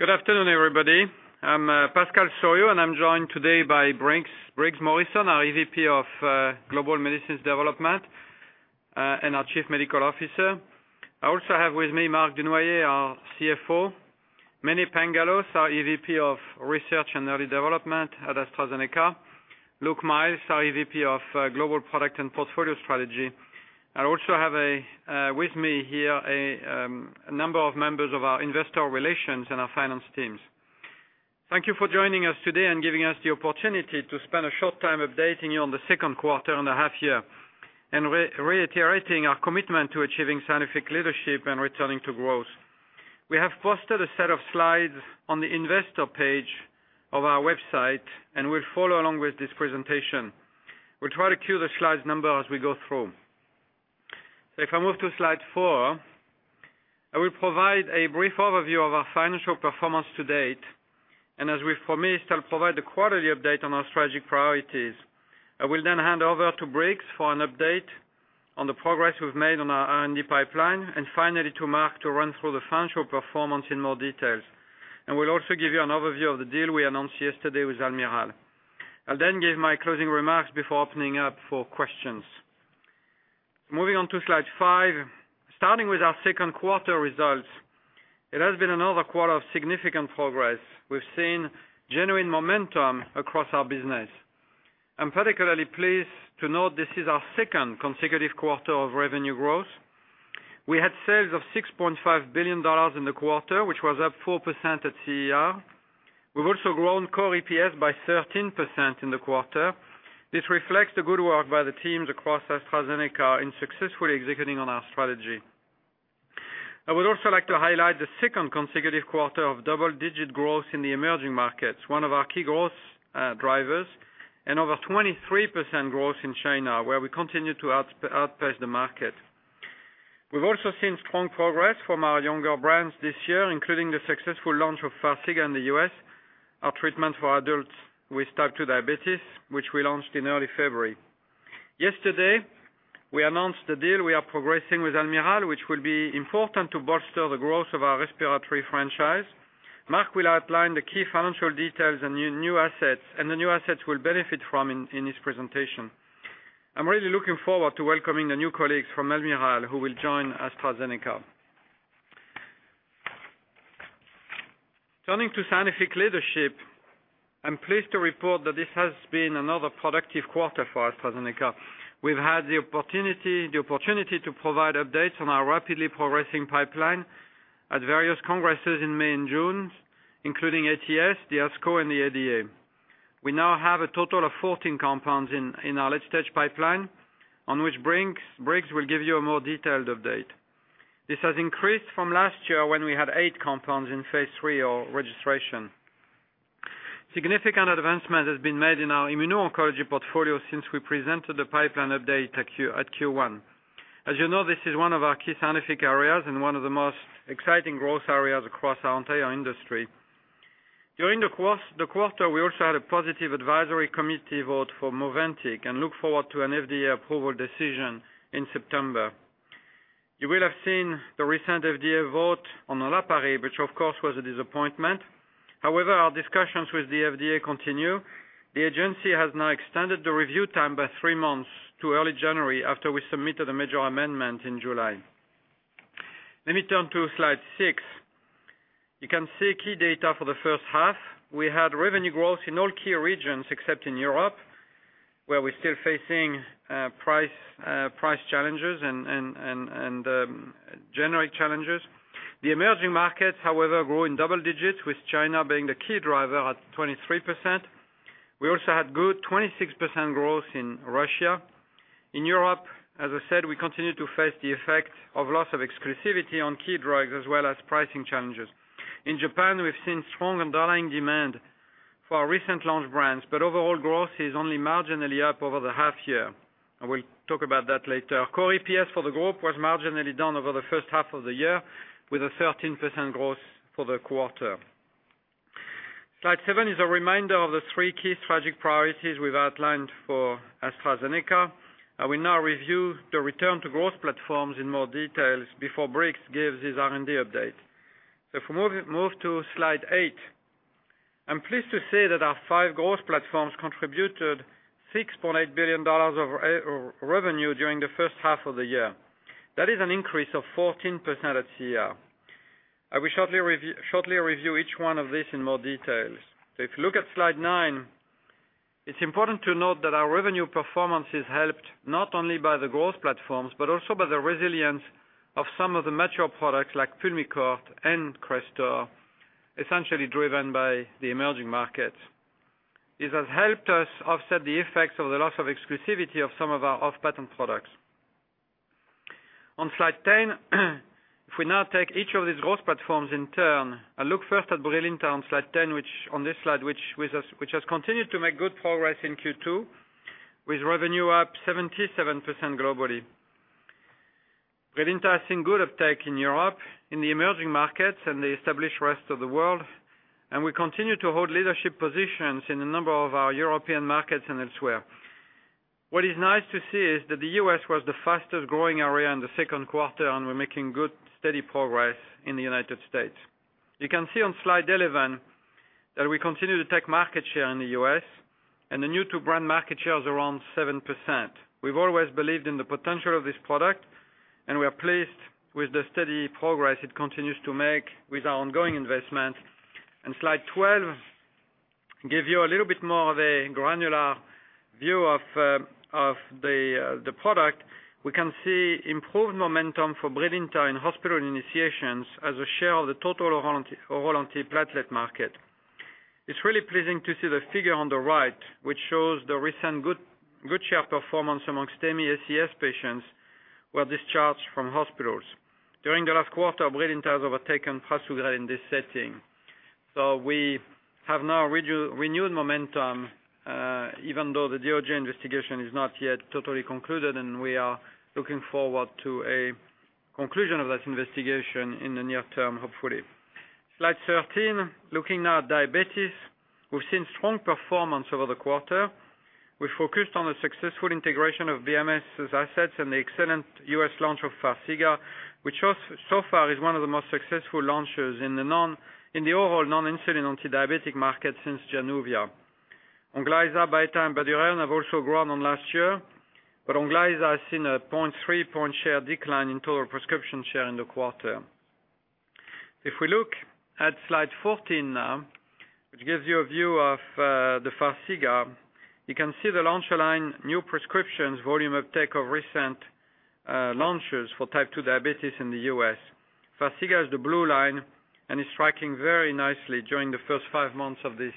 Good afternoon, everybody. I'm Pascal Soriot. I'm joined today by Briggs Morrison, our EVP of Global Medicines Development, and our Chief Medical Officer. I also have with me Marc Dunoyer, our CFO. Mene Pangalos, our EVP of Research and Early Development at AstraZeneca. Luke Miels, our EVP of Global Product and Portfolio Strategy. I also have with me here a number of members of our investor relations and our finance teams. Thank you for joining us today and giving us the opportunity to spend a short time updating you on the second quarter and a half year, reiterating our commitment to achieving scientific leadership and returning to growth. We have posted a set of slides on the investor page of our website. We'll follow along with this presentation. We'll try to cue the slide numbers as we go through. If I move to slide four, I will provide a brief overview of our financial performance to date. As we've promised, I'll provide the quarterly update on our strategic priorities. I will then hand over to Briggs for an update on the progress we've made on our R&D pipeline, finally to Marc to run through the financial performance in more details. We'll also give you an overview of the deal we announced yesterday with Almirall. I'll then give my closing remarks before opening up for questions. Moving on to slide five. Starting with our second quarter results, it has been another quarter of significant progress. We've seen genuine momentum across our business. I'm particularly pleased to note this is our second consecutive quarter of revenue growth. We had sales of $6.5 billion in the quarter, which was up 4% at CER. We've also grown core EPS by 13% in the quarter. This reflects the good work by the teams across AstraZeneca in successfully executing on our strategy. I would also like to highlight the second consecutive quarter of double-digit growth in the emerging markets, one of our key growth drivers. Over 23% growth in China, where we continue to outpace the market. We've also seen strong progress from our younger brands this year, including the successful launch of Farxiga in the U.S., our treatment for adults with type 2 diabetes, which we launched in early February. Yesterday, we announced the deal we are progressing with Almirall, which will be important to bolster the growth of our respiratory franchise. Marc will outline the key financial details and the new assets we'll benefit from in his presentation. I'm really looking forward to welcoming the new colleagues from Almirall who will join AstraZeneca. Turning to scientific leadership, I'm pleased to report that this has been another productive quarter for AstraZeneca. We've had the opportunity to provide updates on our rapidly progressing pipeline at various congresses in May and June, including ATS, ASCO, and ADA. We now have a total of 14 compounds in our late-stage pipeline, on which Briggs will give you a more detailed update. This has increased from last year when we had eight compounds in phase III or registration. Significant advancement has been made in our immuno-oncology portfolio since we presented the pipeline update at Q1. As you know, this is one of our key scientific areas and one of the most exciting growth areas across our entire industry. During the quarter, we also had a positive advisory committee vote for MOVANTIK and look forward to an FDA approval decision in September. You will have seen the recent FDA vote on olaparib, which of course was a disappointment. However, our discussions with the FDA continue. The agency has now extended the review time by 3 months to early January after we submitted a major amendment in July. Let me turn to slide six. You can see key data for the first half. We had revenue growth in all key regions except in Europe, where we're still facing price challenges and generic challenges. The emerging markets, however, grew in double digits, with China being the key driver at 23%. We also had good 26% growth in Russia. In Europe, as I said, we continue to face the effect of loss of exclusivity on key drugs as well as pricing challenges. In Japan, we've seen strong underlying demand for our recent launch brands, but overall growth is only marginally up over the half year. I will talk about that later. Core EPS for the group was marginally down over the first half of the year, with a 13% growth for the quarter. Slide seven is a reminder of the three key strategic priorities we've outlined for AstraZeneca. I will now review the return to growth platforms in more details before Briggs gives his R&D update. If we move to slide eight, I'm pleased to say that our five growth platforms contributed $6.8 billion of revenue during the first half of the year. That is an increase of 14% at CER. I will shortly review each one of these in more details. If you look at slide nine, it's important to note that our revenue performance is helped not only by the growth platforms, but also by the resilience of some of the mature products like PULMICORT and CRESTOR, essentially driven by the emerging markets. This has helped us offset the effects of the loss of exclusivity of some of our off-patent products. On slide 10, if we now take each of these growth platforms in turn, I look first at Brilinta on slide 10, on this slide, which has continued to make good progress in Q2, with revenue up 77% globally. Brilinta has seen good uptake in Europe, in the emerging markets, and the established rest of the world, and we continue to hold leadership positions in a number of our European markets and elsewhere. What is nice to see is that the U.S. was the fastest-growing area in the second quarter, and we're making good, steady progress in the United States. You can see on slide 11 that we continue to take market share in the U.S., and the new to brand market share is around 7%. We've always believed in the potential of this product, and we are pleased with the steady progress it continues to make with our ongoing investment. Slide 12 gives you a little bit more of a granular view of the product. We can see improved momentum for Brilinta in hospital initiations as a share of the total oral antiplatelet market. It's really pleasing to see the figure on the right, which shows the recent good share performance amongst STEMI ACS patients who are discharged from hospitals. During the last quarter, Brilinta has overtaken prasugrel in this setting. We have now renewed momentum, even though the DOJ investigation is not yet totally concluded, and we are looking forward to a conclusion of that investigation in the near term, hopefully. Slide 13. Looking now at diabetes. We've seen strong performance over the quarter. We focused on the successful integration of BMS' assets and the excellent U.S. launch of Farxiga, which so far is one of the most successful launches in the overall non-insulin antidiabetic market since JANUVIA. ONGLYZA, BYETTA, and BYDUREON have also grown on last year, but ONGLYZA has seen a 0.3 point share decline in total prescription share in the quarter. If we look at slide 14 now, which gives you a view of the Farxiga, you can see the launch line new prescriptions volume uptake of recent launches for type 2 diabetes in the U.S. Farxiga is the blue line and is tracking very nicely during the first five months of this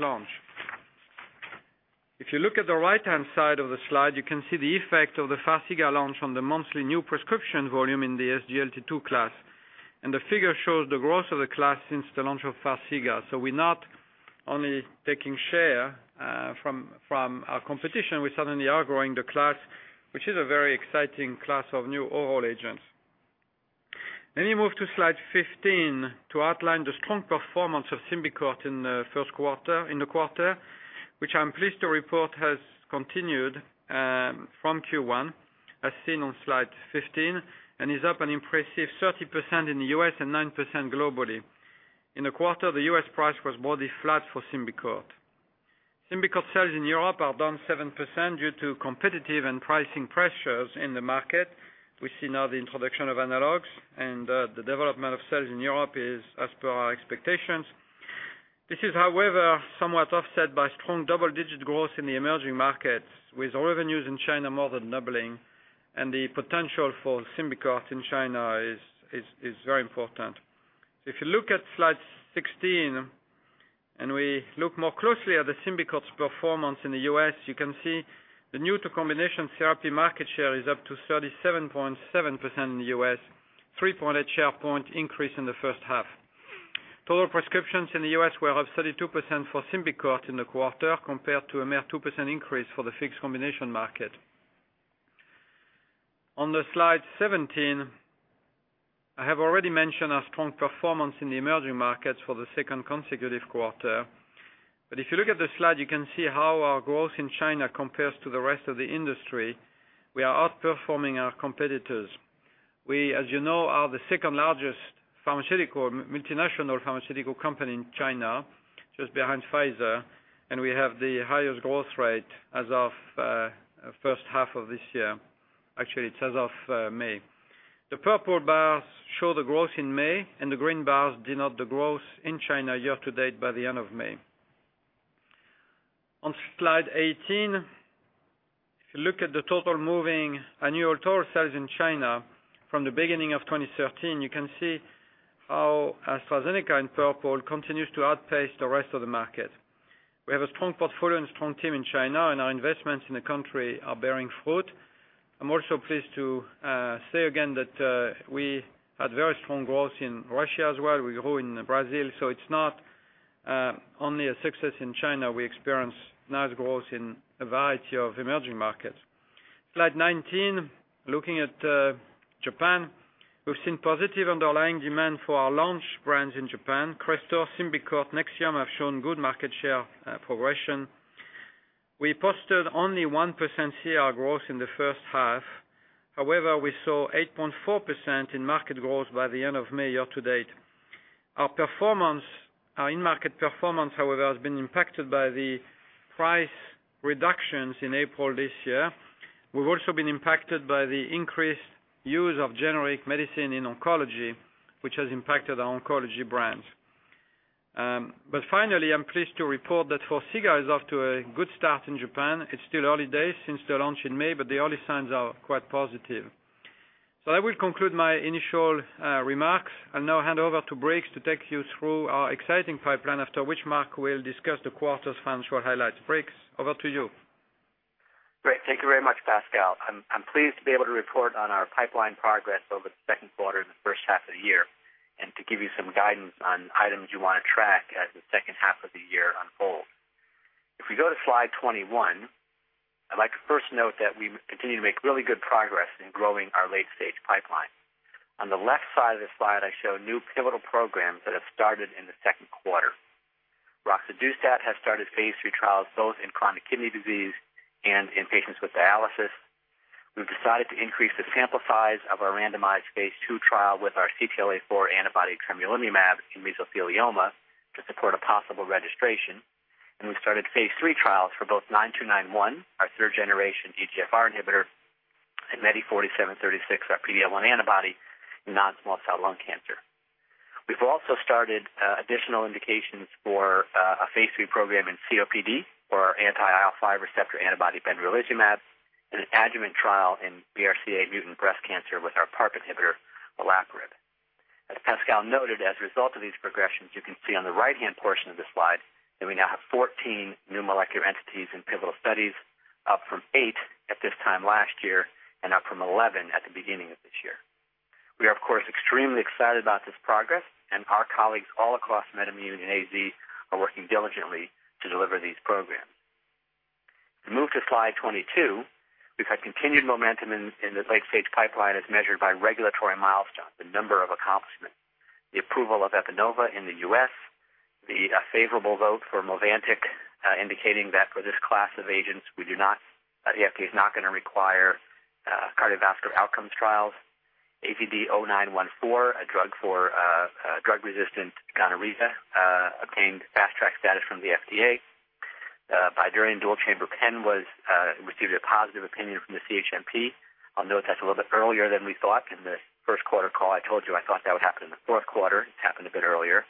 launch. If you look at the right-hand side of the slide, you can see the effect of the Farxiga launch on the monthly new prescription volume in the SGLT2 class, and the figure shows the growth of the class since the launch of Farxiga. We're not only taking share from our competition, we certainly are growing the class, which is a very exciting class of new oral agents. Let me move to slide 15 to outline the strong performance of SYMBICORT in the quarter, which I'm pleased to report has continued from Q1, as seen on slide 15, and is up an impressive 30% in the U.S. and 9% globally. In the quarter, the U.S. price was broadly flat for SYMBICORT. SYMBICORT sales in Europe are down 7% due to competitive and pricing pressures in the market. We see now the introduction of analogs and the development of sales in Europe is as per our expectations. This is, however, somewhat offset by strong double-digit growth in the emerging markets, with revenues in China more than doubling, and the potential for SYMBICORT in China is very important. If you look at slide 16, and we look more closely at the SYMBICORT's performance in the U.S., you can see the new to combination therapy market share is up to 37.7% in the U.S., 3.8 share point increase in the first half. Total prescriptions in the U.S. were up 32% for SYMBICORT in the quarter, compared to a mere 2% increase for the fixed combination market. On the slide 17, I have already mentioned our strong performance in the emerging markets for the second consecutive quarter. If you look at the slide, you can see how our growth in China compares to the rest of the industry. We are outperforming our competitors. We, as you know, are the second-largest multinational pharmaceutical company in China, just behind Pfizer, and we have the highest growth rate as of first half of this year. Actually, it's as of May. The purple bars show the growth in May, and the green bars denote the growth in China year to date by the end of May. On slide 18, if you look at the total moving annual total sales in China from the beginning of 2013, you can see how AstraZeneca in purple continues to outpace the rest of the market. We have a strong portfolio and strong team in China, our investments in the country are bearing fruit. I'm also pleased to say again that we had very strong growth in Russia as well. We grew in Brazil, it's not only a success in China. We experience nice growth in a variety of emerging markets. Slide 19, looking at Japan. We've seen positive underlying demand for our launch brands in Japan. CRESTOR, SYMBICORT, and NEXIUM have shown good market share progression. We posted only 1% Core growth in the first half. However, we saw 8.4% in-market growth by the end of May year to date. Our in-market performance, however, has been impacted by the price reductions in April this year. We've also been impacted by the increased use of generic medicine in oncology, which has impacted our oncology brands. Finally, I'm pleased to report that Farxiga is off to a good start in Japan. It's still early days since the launch in May, the early signs are quite positive. I will conclude my initial remarks and now hand over to Briggs to take you through our exciting pipeline. After which Marc will discuss the quarter's financial highlights. Briggs, over to you. Great. Thank you very much, Pascal. I'm pleased to be able to report on our pipeline progress over the second quarter and the first half of the year, to give you some guidance on items you want to track as the second half of the year unfolds. If we go to Slide 21, I'd like to first note that we continue to make really good progress in growing our late-stage pipeline. On the left side of this slide, I show new pivotal programs that have started in the second quarter. roxadustat has started phase III trials both in chronic kidney disease and in patients with dialysis. We've decided to increase the sample size of our randomized phase II trial with our CTLA-4 antibody tremelimumab in mesothelioma to support a possible registration, we've started phase III trials for both AZD9291, our third-generation EGFR inhibitor, and MEDI4736, our PD-L1 antibody in non-small cell lung cancer. We've also started additional indications for a phase III program in COPD for our anti-IL-5 receptor antibody benralizumab, an adjuvant trial in BRCA mutant breast cancer with our PARP inhibitor, olaparib. As Pascal noted, as a result of these progressions, you can see on the right-hand portion of the slide that we now have 14 new molecular entities in pivotal studies, up from eight at this time last year and up from 11 at the beginning of this year. We are, of course, extremely excited about this progress, and our colleagues all across MedImmune and AZ are working diligently to deliver these programs. If we move to slide 22, we've had continued momentum in the late-stage pipeline as measured by regulatory milestones, the number of accomplishments. The approval of EPANOVA in the U.S., the favorable vote for MOVANTIK indicating that for this class of agents, the FDA's not going to require cardiovascular outcomes trials. AZD0914, a drug for drug-resistant gonorrhea, obtained Fast Track status from the FDA. BYDUREON dual chamber pen received a positive opinion from the CHMP. I'll note that's a little bit earlier than we thought. In the first quarter call, I told you I thought that would happen in the fourth quarter. It happened a bit earlier.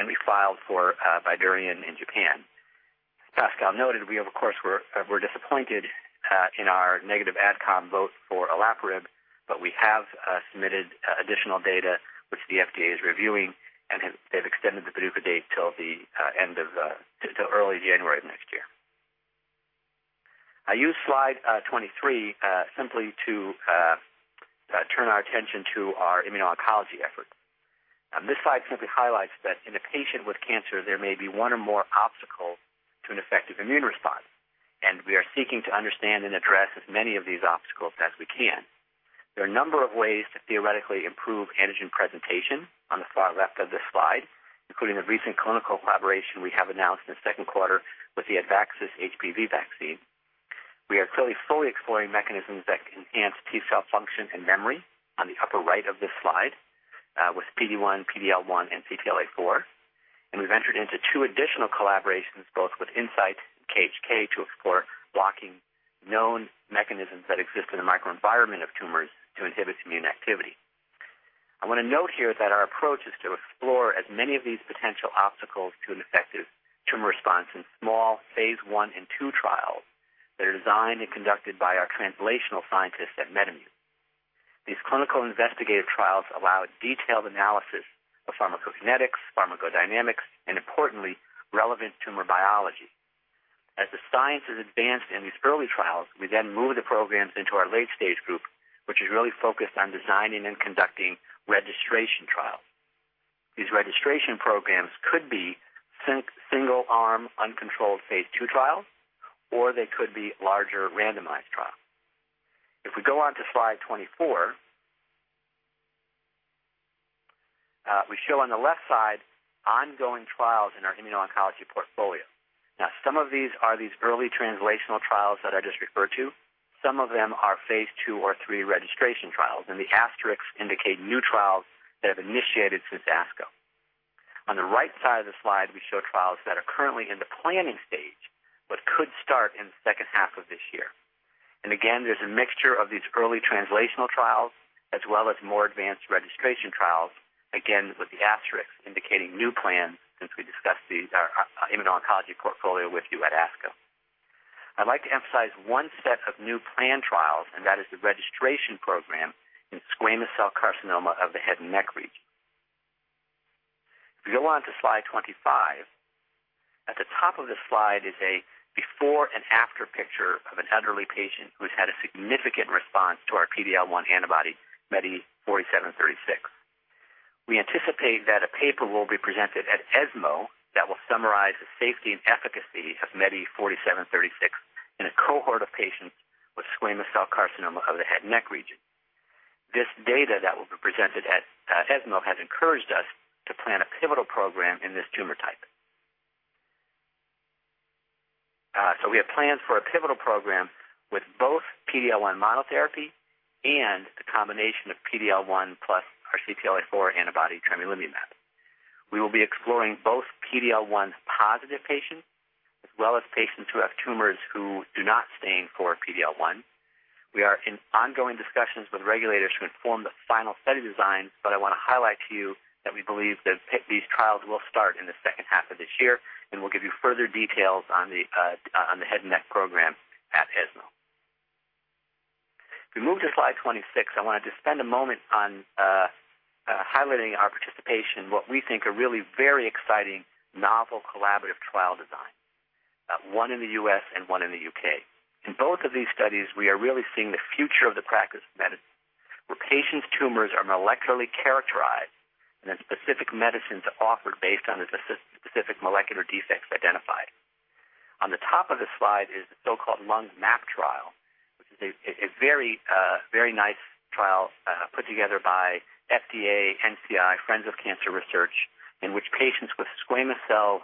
We filed for BYDUREON in Japan. As Pascal noted, we of course were disappointed in our negative ad com vote for olaparib, we have submitted additional data which the FDA is reviewing, and they've extended the PDUFA date till early January of next year. I use slide 23 simply to turn our attention to our immuno-oncology effort. This slide simply highlights that in a patient with cancer, there may be one or more obstacles to an effective immune response, and we are seeking to understand and address as many of these obstacles as we can. There are a number of ways to theoretically improve antigen presentation on the far left of this slide, including a recent clinical collaboration we have announced in the second quarter with the Advaxis HPV vaccine. We are clearly fully exploring mechanisms that can enhance T cell function and memory on the upper right of this slide with PD-1, PD-L1, and CTLA-4. We've entered into two additional collaborations, both with Incyte and KHK, to explore blocking known mechanisms that exist in the microenvironment of tumors to inhibit immune activity. I want to note here that our approach is to explore as many of these potential obstacles to an effective tumor response in small phase I and II trials that are designed and conducted by our translational scientists at MedImmune. These clinical investigative trials allow detailed analysis of pharmacokinetics, pharmacodynamics, and importantly, relevant tumor biology. As the science is advanced in these early trials, we then move the programs into our late-stage group, which is really focused on designing and conducting registration trials. These registration programs could be single-arm, uncontrolled phase II trials, they could be larger randomized trials. If we go on to slide 24, we show on the left side ongoing trials in our immuno-oncology portfolio. Now, some of these are these early translational trials that I just referred to. Some of them are phase II or III registration trials, and the asterisks indicate new trials that have initiated since ASCO. On the right side of the slide, we show trials that are currently in the planning stage but could start in the second half of this year. Again, there's a mixture of these early translational trials as well as more advanced registration trials, again, with the asterisks indicating new plans since we discussed the immuno-oncology portfolio with you at ASCO. I'd like to emphasize one set of new plan trials, and that is the registration program in squamous cell carcinoma of the head and neck region. If we go on to slide 25, at the top of this slide is a before and after picture of an elderly patient who's had a significant response to our PD-L1 antibody, MEDI4736. We anticipate that a paper will be presented at ESMO that will summarize the safety and efficacy of MEDI4736 in a cohort of patients with squamous cell carcinoma of the head and neck region. This data that will be presented at ESMO has encouraged us to plan a pivotal program in this tumor type. We have plans for a pivotal program with both PD-L1 monotherapy and the combination of PD-L1 plus our CTLA-4 antibody tremelimumab. We will be exploring both PD-L1 positive patients as well as patients who have tumors who do not stain for PD-L1. We are in ongoing discussions with regulators who inform the final study design, but I want to highlight to you that we believe that these trials will start in the second half of this year, and we'll give you further details on the head and neck program at ESMO. If we move to slide 26, I wanted to spend a moment on highlighting our participation in what we think are really very exciting, novel collaborative trial designs, one in the U.S. and one in the U.K. In both of these studies, we are really seeing the future of the practice of medicine, where patients' tumors are molecularly characterized and then specific medicines offered based on the specific molecular defects identified. On the top of the slide is the so-called LUNG-MAP trial, which is a very nice trial put together by FDA, NCI, Friends of Cancer Research, in which patients with squamous cell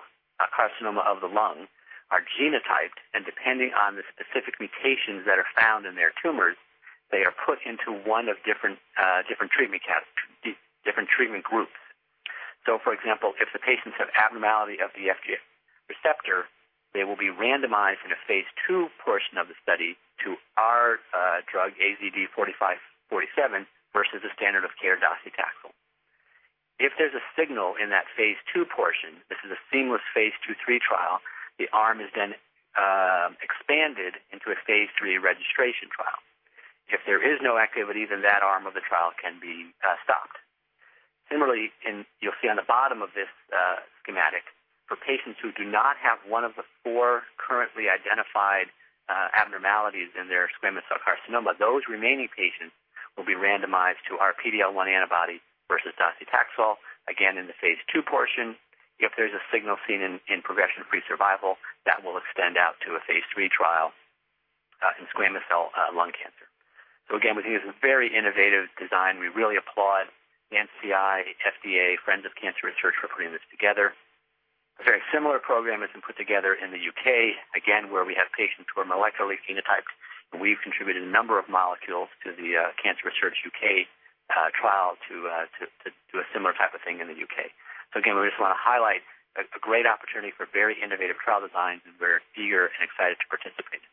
carcinoma of the lung are genotyped, and depending on the specific mutations that are found in their tumors, they are put into one of different treatment groups. For example, if the patients have abnormality of the FGF receptor, they will be randomized in a phase II portion of the study to our drug, AZD4547, versus the standard of care docetaxel. If there's a signal in that phase II portion, this is a seamless phase II-III trial, the arm is then expanded into a phase III registration trial. If there is no activity, then that arm of the trial can be stopped. Similarly, you'll see on the bottom of this schematic for patients who do not have one of the four currently identified abnormalities in their squamous cell carcinoma, those remaining patients will be randomized to our PD-L1 antibody versus docetaxel, again, in the phase II portion. If there's a signal seen in progression-free survival, that will extend out to a phase III trial in squamous cell lung cancer. Again, we think this is a very innovative design. We really applaud NCI, FDA, Friends of Cancer Research for putting this together. A very similar program has been put together in the U.K., again, where we have patients who are molecularly genotyped, and we've contributed a number of molecules to the Cancer Research UK trial to do a similar type of thing in the U.K. Again, we just want to highlight a great opportunity for very innovative trial designs, and we're eager and excited to participate.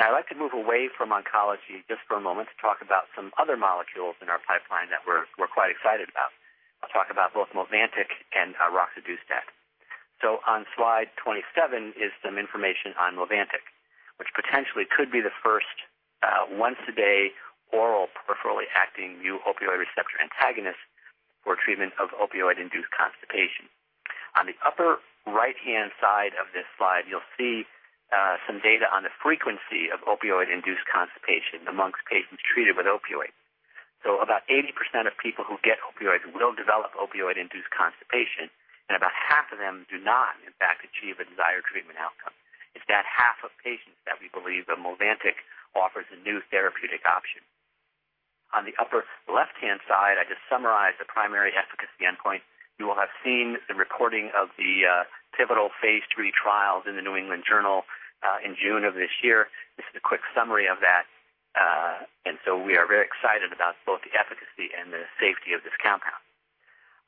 I'd like to move away from oncology just for a moment to talk about some other molecules in our pipeline that we're quite excited about. I'll talk about both MOVANTIK and roxadustat. On slide 27 is some information on MOVANTIK, which potentially could be the first once-a-day oral peripherally acting new opioid receptor antagonist for treatment of opioid-induced constipation. On the upper right-hand side of this slide, you'll see some data on the frequency of opioid-induced constipation amongst patients treated with opioid. About 80% of people who get opioids will develop opioid-induced constipation, and about half of them do not, in fact, achieve a desired treatment outcome. It's that half of patients that we believe that MOVANTIK offers a new therapeutic option. On the upper left-hand side, I just summarized the primary efficacy endpoint. You will have seen the recording of the pivotal phase III trials in The New England Journal in June of this year. This is a quick summary of that. We are very excited about both the efficacy and the safety of this compound.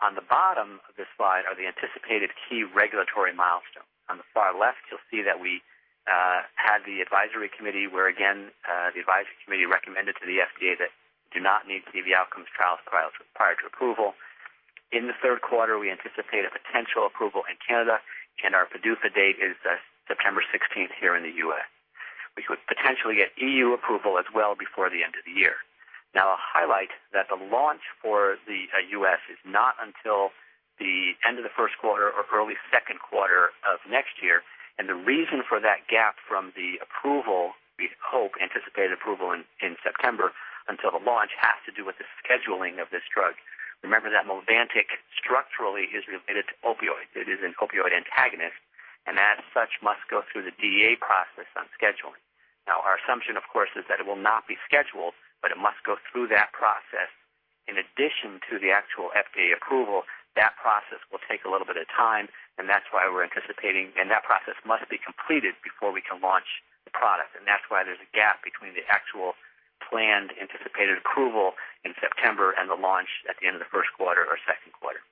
On the bottom of the slide are the anticipated key regulatory milestones. On the far left, you'll see that we had the advisory committee where, again, the advisory committee recommended to the FDA that do not need PV outcomes trials prior to approval. In the third quarter, we anticipate a potential approval in Canada, and our PDUFA date is September 16th here in the U.S. We could potentially get EU approval as well before the end of the year. I'll highlight that the launch for the U.S. is not until the end of the first quarter or early second quarter of next year. The reason for that gap from the approval, we hope, anticipated approval in September until the launch has to do with the scheduling of this drug. Remember that MOVANTIK structurally is related to opioids. It is an opioid antagonist and as such, must go through the DEA process on scheduling. Our assumption, of course, is that it will not be scheduled, but it must go through that process. In addition to the actual FDA approval, that process will take a little bit of time, and that's why we're anticipating, and that process must be completed before we can launch the product. That's why there's a gap between the actual planned anticipated approval in September and the launch at the end of the first quarter or second quarter.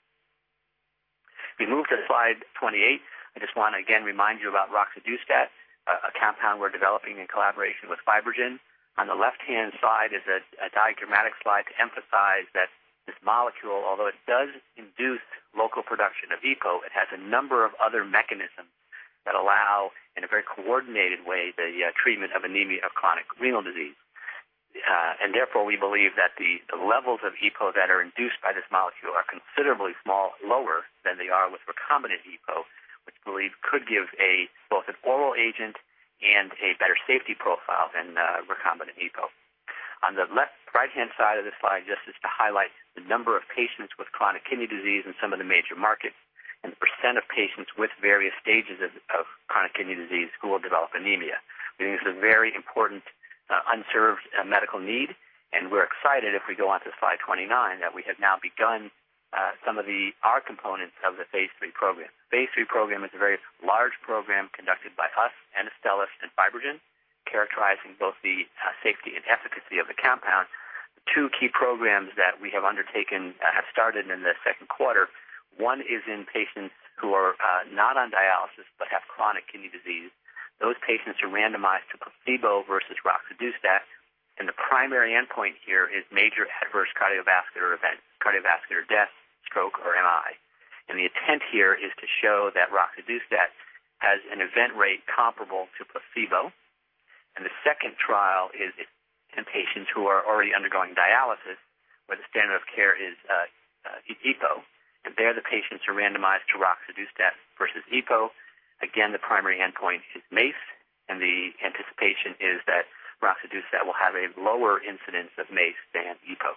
If we move to slide 28, I just want to again remind you about roxadustat, a compound we're developing in collaboration with FibroGen. On the left-hand side is a diagrammatic slide to emphasize that this molecule, although it does induce local production of EPO, it has a number of other mechanisms that allow, in a very coordinated way, the treatment of anemia of chronic renal disease. Therefore, we believe that the levels of EPO that are induced by this molecule are considerably small, lower than they are with recombinant EPO, which we believe could give both an oral agent and a better safety profile than recombinant EPO. On the right-hand side of this slide, just is to highlight the number of patients with chronic kidney disease in some of the major markets and the % of patients with various stages of chronic kidney disease who will develop anemia. We think this is a very important unserved medical need. We are excited if we go on to slide 29, that we have now begun some of our components of the phase III program. The phase III program is a very large program conducted by us and Astellas and FibroGen, characterizing both the safety and efficacy of the compound. Two key programs that we have undertaken have started in the second quarter. One is in patients who are not on dialysis but have chronic kidney disease. Those patients are randomized to placebo versus roxadustat. The primary endpoint here is major adverse cardiovascular event, cardiovascular death, stroke, or MI. The intent here is to show that roxadustat has an event rate comparable to placebo. The second trial is in patients who are already undergoing dialysis, where the standard of care is EPO. There, the patients are randomized to roxadustat versus EPO. Again, the primary endpoint is MACE. The anticipation is that roxadustat will have a lower incidence of MACE than EPO.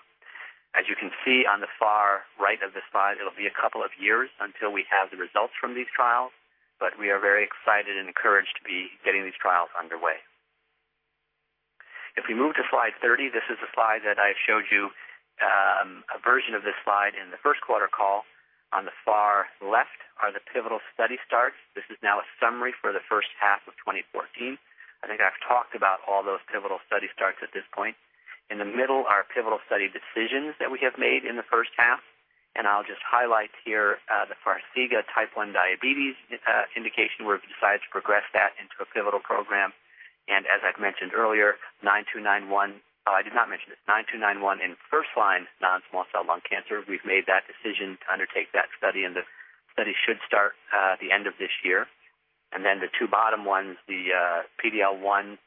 You can see on the far right of the slide, it will be a couple of years until we have the results from these trials, but we are very excited and encouraged to be getting these trials underway. If we move to slide 30, this is a slide that I showed you, a version of this slide in the first quarter call. On the far left are the pivotal study starts. This is now a summary for the first half of 2014. I have talked about all those pivotal study starts at this point. In the middle are pivotal study decisions that we have made in the first half. I will just highlight here the Farxiga type 1 diabetes indication, where we have decided to progress that into a pivotal program. As I have mentioned earlier, 9291. Oh, I did not mention this. 9291 in first-line non-small cell lung cancer, we have made that decision to undertake that study. The study should start at the end of this year. The two bottom ones, the PD-L1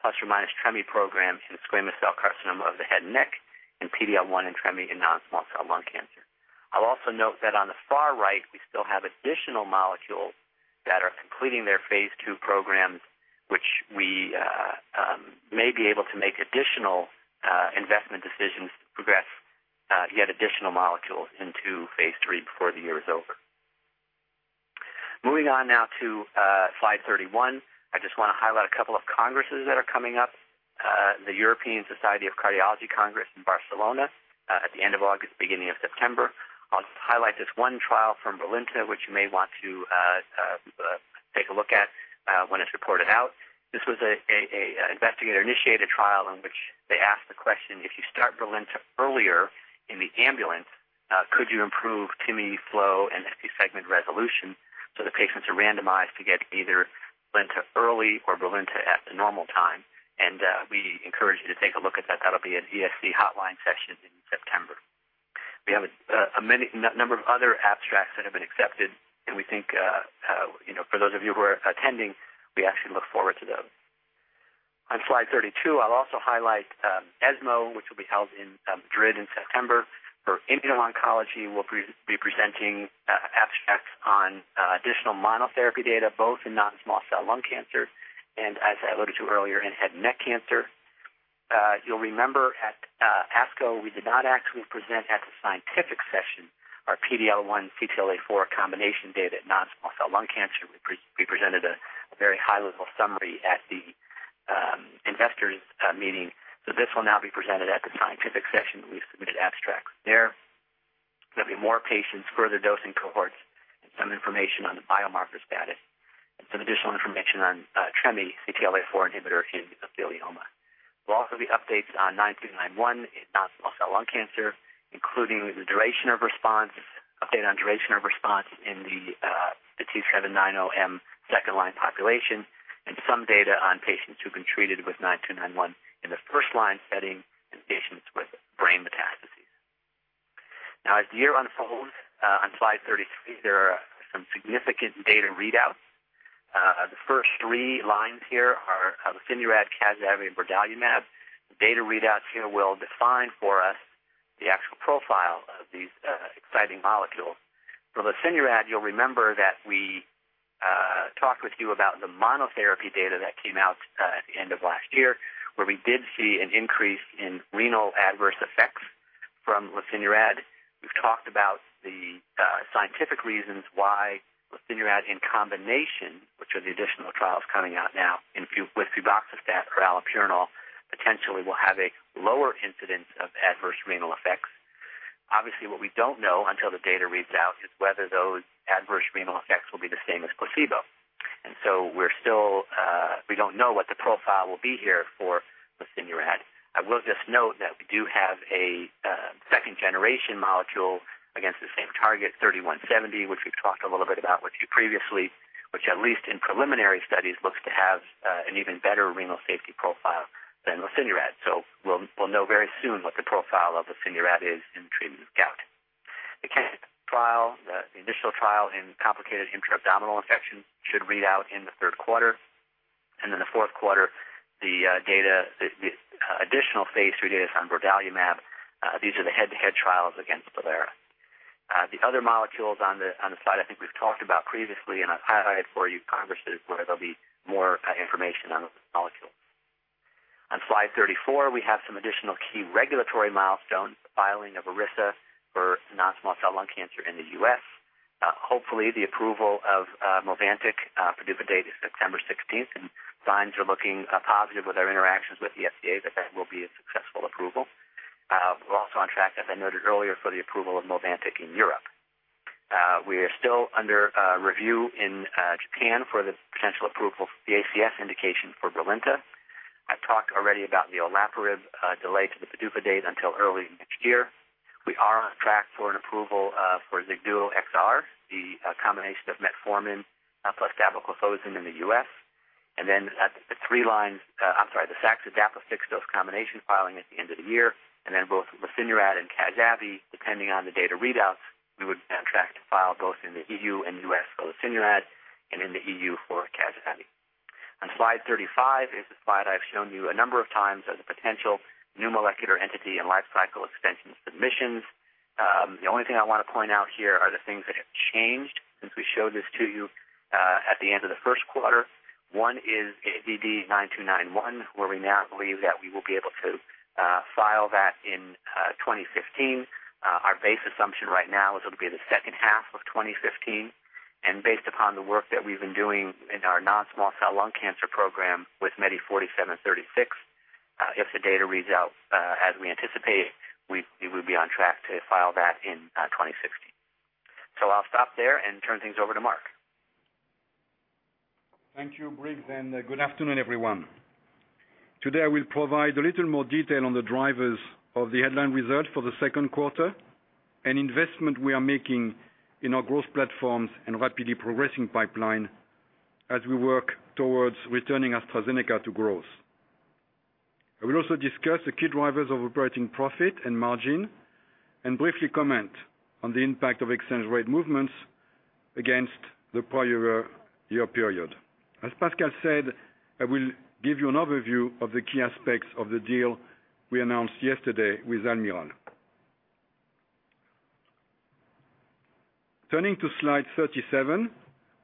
plus or minus Trem-I program in squamous cell carcinoma of the head and neck and PD-L1 and Trem-I in non-small cell lung cancer. I will also note that on the far right, we still have additional molecules that are completing their phase II programs, which we may be able to make additional investment decisions to progress yet additional molecules into phase III before the year is over. Moving on now to slide 31. I just want to highlight a couple of congresses that are coming up. The European Society of Cardiology Congress in Barcelona at the end of August, beginning of September. I will highlight this one trial from Brilinta, which you may want to take a look at when it is reported out. This was an investigator-initiated trial in which they asked the question, if you start Brilinta earlier in the ambulance, could you improve TIMI flow and ST segment resolution? The patients are randomized to get either Brilinta early or Brilinta at the normal time, and we encourage you to take a look at that. That'll be an ESC hotline session in September. We have a number of other abstracts that have been accepted, and we think, for those of you who are attending, we actually look forward to those. On slide 32, I'll also highlight ESMO, which will be held in Madrid in September. For Immuno-Oncology, we'll be presenting abstracts on additional monotherapy data, both in non-small cell lung cancer and, as I alluded to earlier, in head and neck cancer. You'll remember at ASCO, we did not actually present at the scientific session our PD-L1 CTLA-4 combination data at non-small cell lung cancer. We presented a very high-level summary at the investors meeting. This will now be presented at the scientific session. We've submitted abstracts there. There'll be more patients, further dosing cohorts, and some information on the biomarker status, and some additional information on Trem-I CTLA-4 inhibitor in mesothelioma. There'll also be updates on 9291 in non-small cell lung cancer, including the duration of response, update on duration of response in the T790M second-line population, and some data on patients who've been treated with 9291 in the first-line setting in patients with brain metastases. As the year unfolds, on slide 33, there are some significant data readouts. The first three lines here are lesinurad, CAZ-AVI and benralizumab. The data readouts here will define for us the actual profile of these exciting molecules. For lesinurad, you'll remember that we talked with you about the monotherapy data that came out at the end of last year, where we did see an increase in renal adverse effects from lesinurad. We've talked about the scientific reasons why lesinurad in combination, which are the additional trials coming out now with febuxostat or allopurinol, potentially will have a lower incidence of adverse renal effects. Obviously, what we don't know until the data reads out is whether those adverse renal effects will be the same as placebo. We don't know what the profile will be here for lesinurad. I will just note that we do have a second-generation molecule against the same target, 3170, which we've talked a little bit about with you previously, which at least in preliminary studies, looks to have an even better renal safety profile than lesinurad. We'll know very soon what the profile of lesinurad is in the treatment of gout. The KINCAT trial, the initial trial in complicated intra-abdominal infection, should read out in the third quarter. The fourth quarter, the additional phase III data on benralizumab. These are the head-to-head trials against Valera. The other molecules on the slide I think we've talked about previously, and I've highlighted for you congresses where there'll be more information on those molecules. On slide 34, we have some additional key regulatory milestones. The filing of Iressa for non-small cell lung cancer in the U.S. Hopefully, the approval of MOVANTIK. PDUFA date is September 16th, and signs are looking positive with our interactions with the FDA that that will be a successful approval. We're also on track, as I noted earlier, for the approval of MOVANTIK in Europe. We are still under review in Japan for the potential approval for the ACS indication for Brilinta. I've talked already about the olaparib delay to the PDUFA date until early next year. We are on track for an approval for Xigduo XR, the combination of metformin plus dapagliflozin in the U.S. The saxagliptin/dapagliflozin fixed-dose combination filing at the end of the year. Both lesinurad and cazabi, depending on the data readouts, we would be on track to file both in the EU and U.S. for lesinurad and in the EU for cazabi. On slide 35 is the slide I've shown you a number of times as a potential new molecular entity and life cycle extension submissions. The only thing I want to point out here are the things that have changed since we showed this to you at the end of the first quarter. One is AZD9291, where we now believe that we will be able to file that in 2015. Our base assumption right now is it'll be the second half of 2015, and based upon the work that we've been doing in our non-small cell lung cancer program with MEDI4736, if the data reads out as we anticipate, we will be on track to file that in 2016. I'll stop there and turn things over to Marc. Thank you, Briggs, and good afternoon, everyone. Today, I will provide a little more detail on the drivers of the headline results for the second quarter and investment we are making in our growth platforms and rapidly progressing pipeline as we work towards returning AstraZeneca to growth. I will also discuss the key drivers of operating profit and margin and briefly comment on the impact of exchange rate movements against the prior year period. As Pascal said, I will give you an overview of the key aspects of the deal we announced yesterday with Almirall. Turning to slide 37,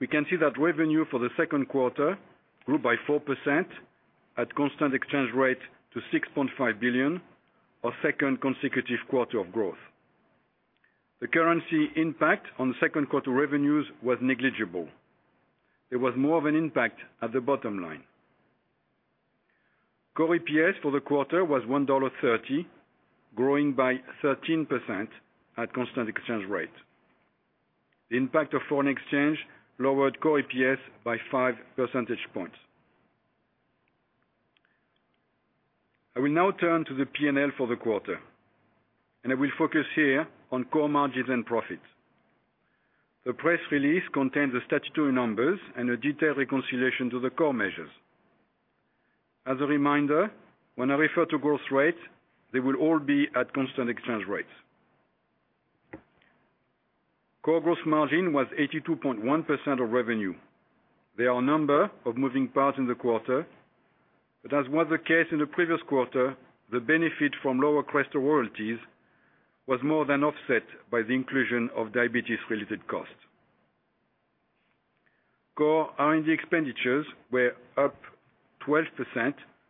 we can see that revenue for the second quarter grew by 4% at constant exchange rate to $6.5 billion, our second consecutive quarter of growth. The currency impact on second quarter revenues was negligible. It was more of an impact at the bottom line. Core EPS for the quarter was $1.30, growing by 13% at constant exchange rate. The impact of foreign exchange lowered core EPS by five percentage points. I will now turn to the P&L for the quarter, and I will focus here on core margins and profits. The press release contains the statutory numbers and a detailed reconciliation to the core measures. As a reminder, when I refer to growth rate, they will all be at constant exchange rates. Core growth margin was 82.1% of revenue. There are a number of moving parts in the quarter, but as was the case in the previous quarter, the benefit from lower CRESTOR royalties was more than offset by the inclusion of diabetes-related costs. Core R&D expenditures were up 12%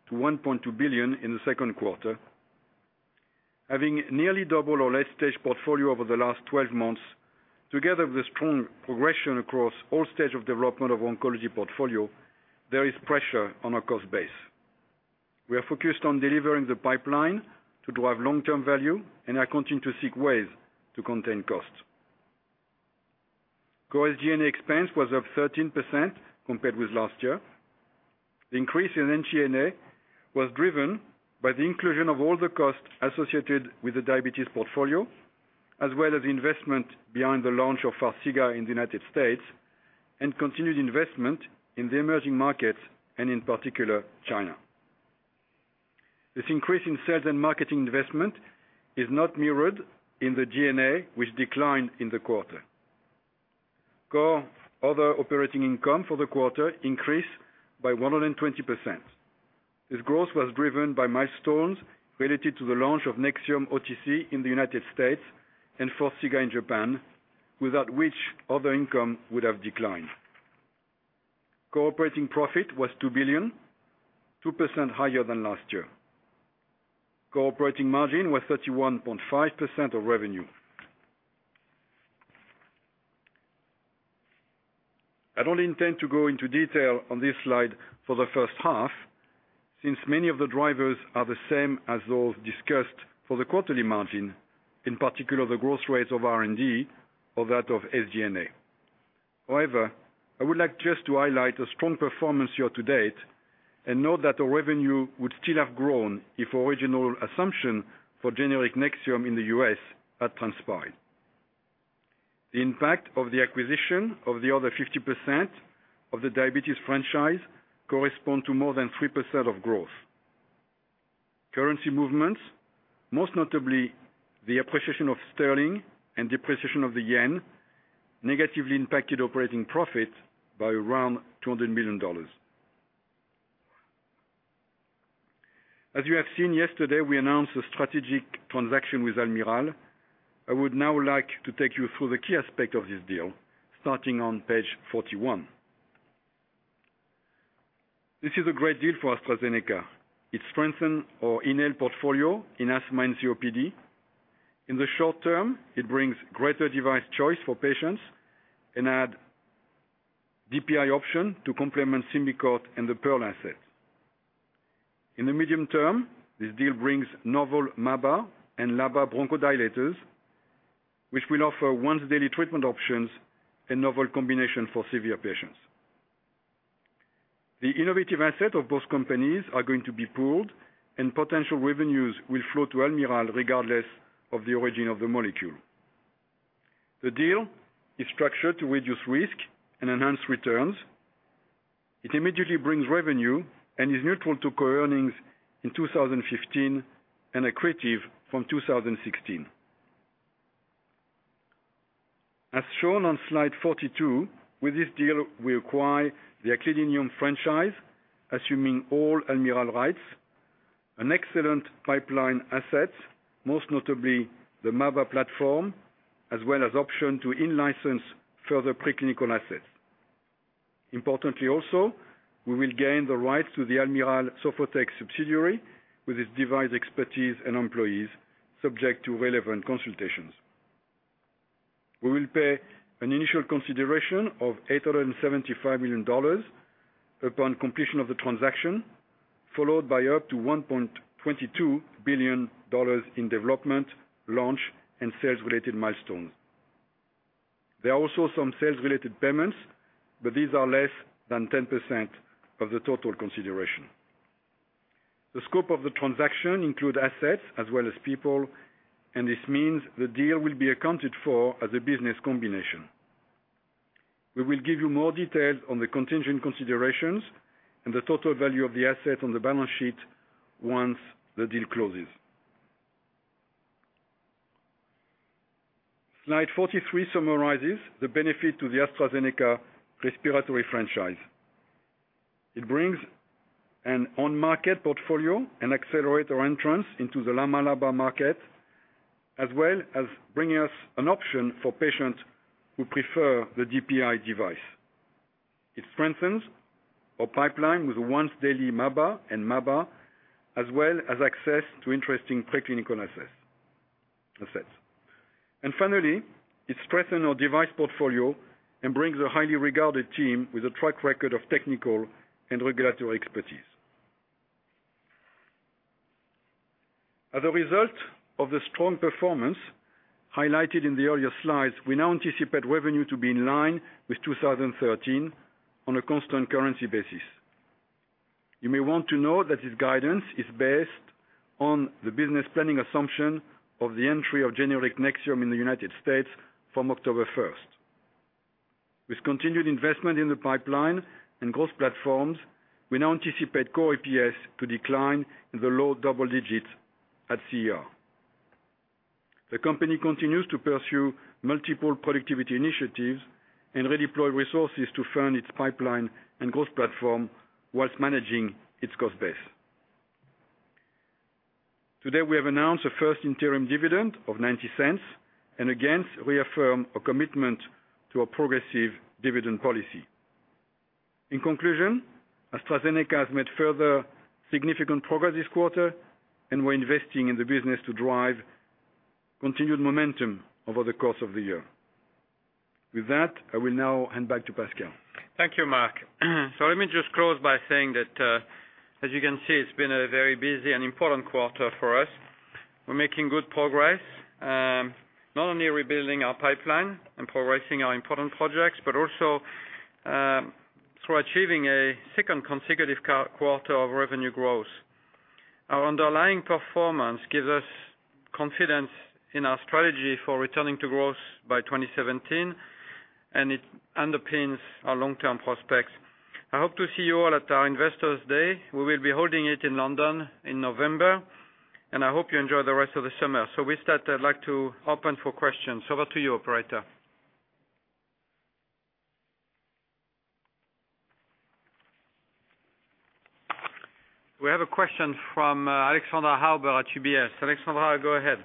to $1.2 billion in the second quarter. Having nearly doubled our late-stage portfolio over the last 12 months, together with strong progression across all stages of development of oncology portfolio, there is pressure on our cost base. We are focused on delivering the pipeline to drive long-term value and are continuing to seek ways to contain costs. Core SG&A expense was up 13% compared with last year. The increase in SG&A was driven by the inclusion of all the costs associated with the diabetes portfolio, as well as investment behind the launch of Farxiga in the U.S. and continued investment in the emerging markets, and in particular, China. This increase in sales and marketing investment is not mirrored in the G&A, which declined in the quarter. Core other operating income for the quarter increased by 120%. This growth was driven by milestones related to the launch of Nexium 24HR in the U.S. and Farxiga in Japan, without which other income would have declined. Core operating profit was 2 billion, 2% higher than last year. Core operating margin was 31.5% of revenue. I don't intend to go into detail on this slide for the first half, since many of the drivers are the same as those discussed for the quarterly margin, in particular, the growth rates of R&D or that of SG&A. However, I would like just to highlight a strong performance year to date and note that our revenue would still have grown if original assumption for generic Nexium in the U.S. had transpired. The impact of the acquisition of the other 50% of the diabetes franchise correspond to more than 3% of growth. Currency movements, most notably the appreciation of sterling and depreciation of the yen, negatively impacted operating profit by around $200 million. As you have seen yesterday, we announced a strategic transaction with Almirall. I would now like to take you through the key aspect of this deal, starting on page 41. This is a great deal for AstraZeneca. It strengthens our inhaled portfolio in asthma and COPD. In the short term, it brings greater device choice for patients and add DPI option to complement Symbicort and the Pearl assets. In the medium term, this deal brings novel MABA and LABA bronchodilators, which will offer once-daily treatment options and novel combination for severe patients. The innovative asset of both companies are going to be pooled, and potential revenues will flow to Almirall regardless of the origin of the molecule. The deal is structured to reduce risk and enhance returns. It immediately brings revenue and is neutral to core earnings in 2015 and accretive from 2016. As shown on slide 42, with this deal, we acquire the aclidinium franchise, assuming all Almirall rights, an excellent pipeline asset, most notably the MABA platform, as well as option to in-license further preclinical assets. Importantly also, we will gain the rights to the Almirall Sofotec subsidiary with its device expertise and employees subject to relevant consultations. We will pay an initial consideration of $875 million upon completion of the transaction, followed by up to $1.22 billion in development, launch, and sales-related milestones. There are also some sales-related payments, but these are less than 10% of the total consideration. The scope of the transaction includes assets as well as people, and this means the deal will be accounted for as a business combination. We will give you more details on the contingent considerations and the total value of the asset on the balance sheet once the deal closes. Slide 43 summarizes the benefit to the AstraZeneca respiratory franchise. It brings an on-market portfolio and accelerate our entrance into the LAMA/LABA market, as well as bringing us an option for patients who prefer the DPI device. It strengthens our pipeline with once-daily MABA and MABA, as well as access to interesting preclinical assets. Finally, it strengthens our device portfolio and brings a highly regarded team with a track record of technical and regulatory expertise. As a result of the strong performance highlighted in the earlier slides, we now anticipate revenue to be in line with 2013 on a constant currency basis. You may want to know that this guidance is based on the business planning assumption of the entry of generic NEXIUM in the U.S. from October 1st. With continued investment in the pipeline and growth platforms, we now anticipate core EPS to decline in the low double digits at CER. The company continues to pursue multiple productivity initiatives and redeploy resources to fund its pipeline and growth platform whilst managing its cost base. Today, we have announced a first interim dividend of 0.90 and again reaffirm a commitment to a progressive dividend policy. In conclusion, AstraZeneca has made further significant progress this quarter. We're investing in the business to drive continued momentum over the course of the year. With that, I will now hand back to Pascal. Thank you, Marc. Let me just close by saying that, as you can see, it's been a very busy and important quarter for us. We're making good progress, not only rebuilding our pipeline and progressing our important projects, but also through achieving a second consecutive quarter of revenue growth. Our underlying performance gives us confidence in our strategy for returning to growth by 2017. It underpins our long-term prospects. I hope to see you all at our Investors Day. We will be holding it in London in November. I hope you enjoy the rest of the summer. With that, I'd like to open for questions. Over to you, operator. We have a question from Alexandra Hauber at UBS. Alexandra, go ahead.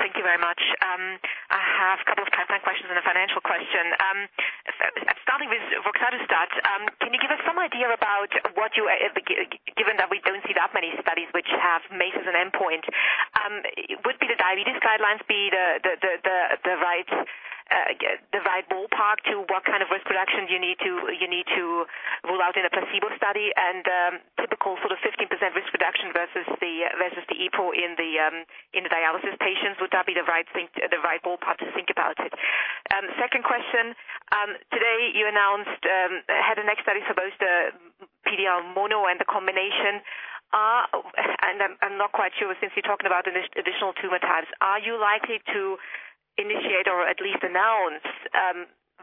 Thank you very much. I have a couple of pipeline questions and a financial question. Starting with roxadustat, can you give us some idea about what you, given that we don't see that many studies which have MACE as an endpoint, would the diabetes guidelines be the right ballpark to what kind of risk reduction you need to rule out in a placebo study and typical sort of 15% risk reduction versus the EPO in the dialysis patients? Would that be the right ballpark to think about it? Second question, today you announced head and neck study for both the PD-1 mono and the combination. I'm not quite sure since you're talking about additional tumor types, are you likely to initiate or at least announce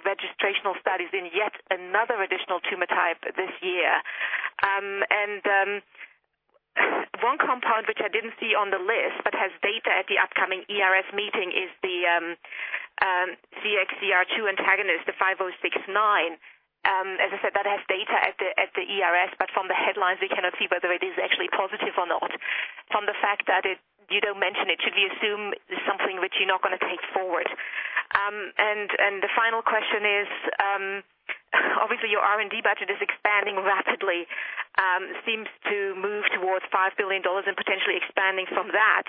registrational studies in yet another additional tumor type this year? One compound, which I didn't see on the list but has data at the upcoming ERS meeting, is the CXCR2 antagonist, the AZD5069. As I said, that has data at the ERS, but from the headlines, we cannot see whether it is actually positive or not. From the fact that you don't mention it, should we assume it's something which you're not going to take forward? The final question is, obviously, your R&D budget is expanding rapidly. Seems to move towards GBP 5 billion and potentially expanding from that.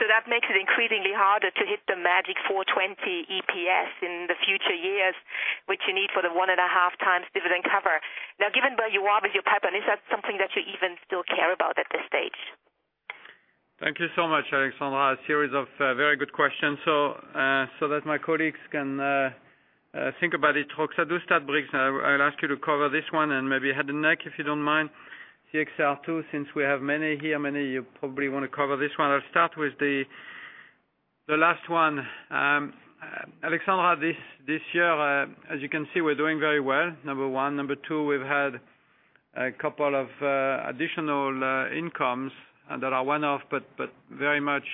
That makes it increasingly harder to hit the magic 4.20 EPS in the future years, which you need for the 1.5 times dividend cover. Given where you are with your pipeline, is that something that you even still care about at this stage? Thank you so much, Alexandra. A series of very good questions. So that my colleagues can think about it. roxadustat, Briggs, I'll ask you to cover this one and maybe head and neck, if you don't mind. CXCR2, since we have Mene here, Mene, you probably want to cover this one. I'll start with the last one. Alexandra, this year, as you can see, we're doing very well, number one. Number two, we've had a couple of additional incomes that are one-off, but very much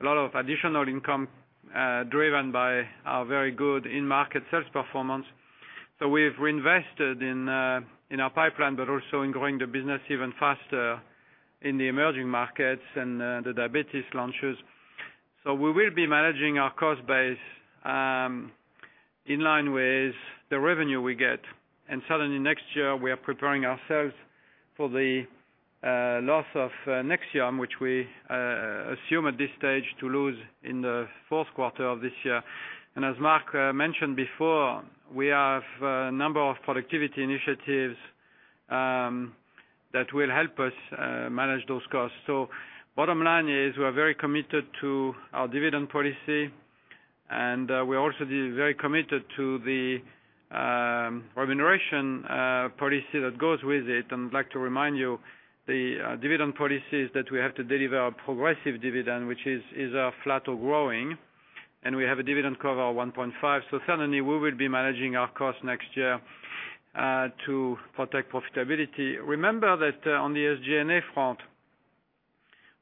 a lot of additional income driven by our very good in-market sales performance. We have reinvested in our pipeline, but also in growing the business even faster in the emerging markets and the diabetes launches. We will be managing our cost base in line with the revenue we get. Certainly next year, we are preparing ourselves for the loss of NEXIUM, which we assume at this stage to lose in the fourth quarter of this year. As Mark mentioned before, we have a number of productivity initiatives that will help us manage those costs. Bottom line is we're very committed to our dividend policy, and we're also very committed to the remuneration policy that goes with it. I'd like to remind you, the dividend policy is that we have to deliver a progressive dividend, which is flat or growing, and we have a dividend cover of 1.5. Certainly, we will be managing our costs next year to protect profitability. Remember that on the SG&A front,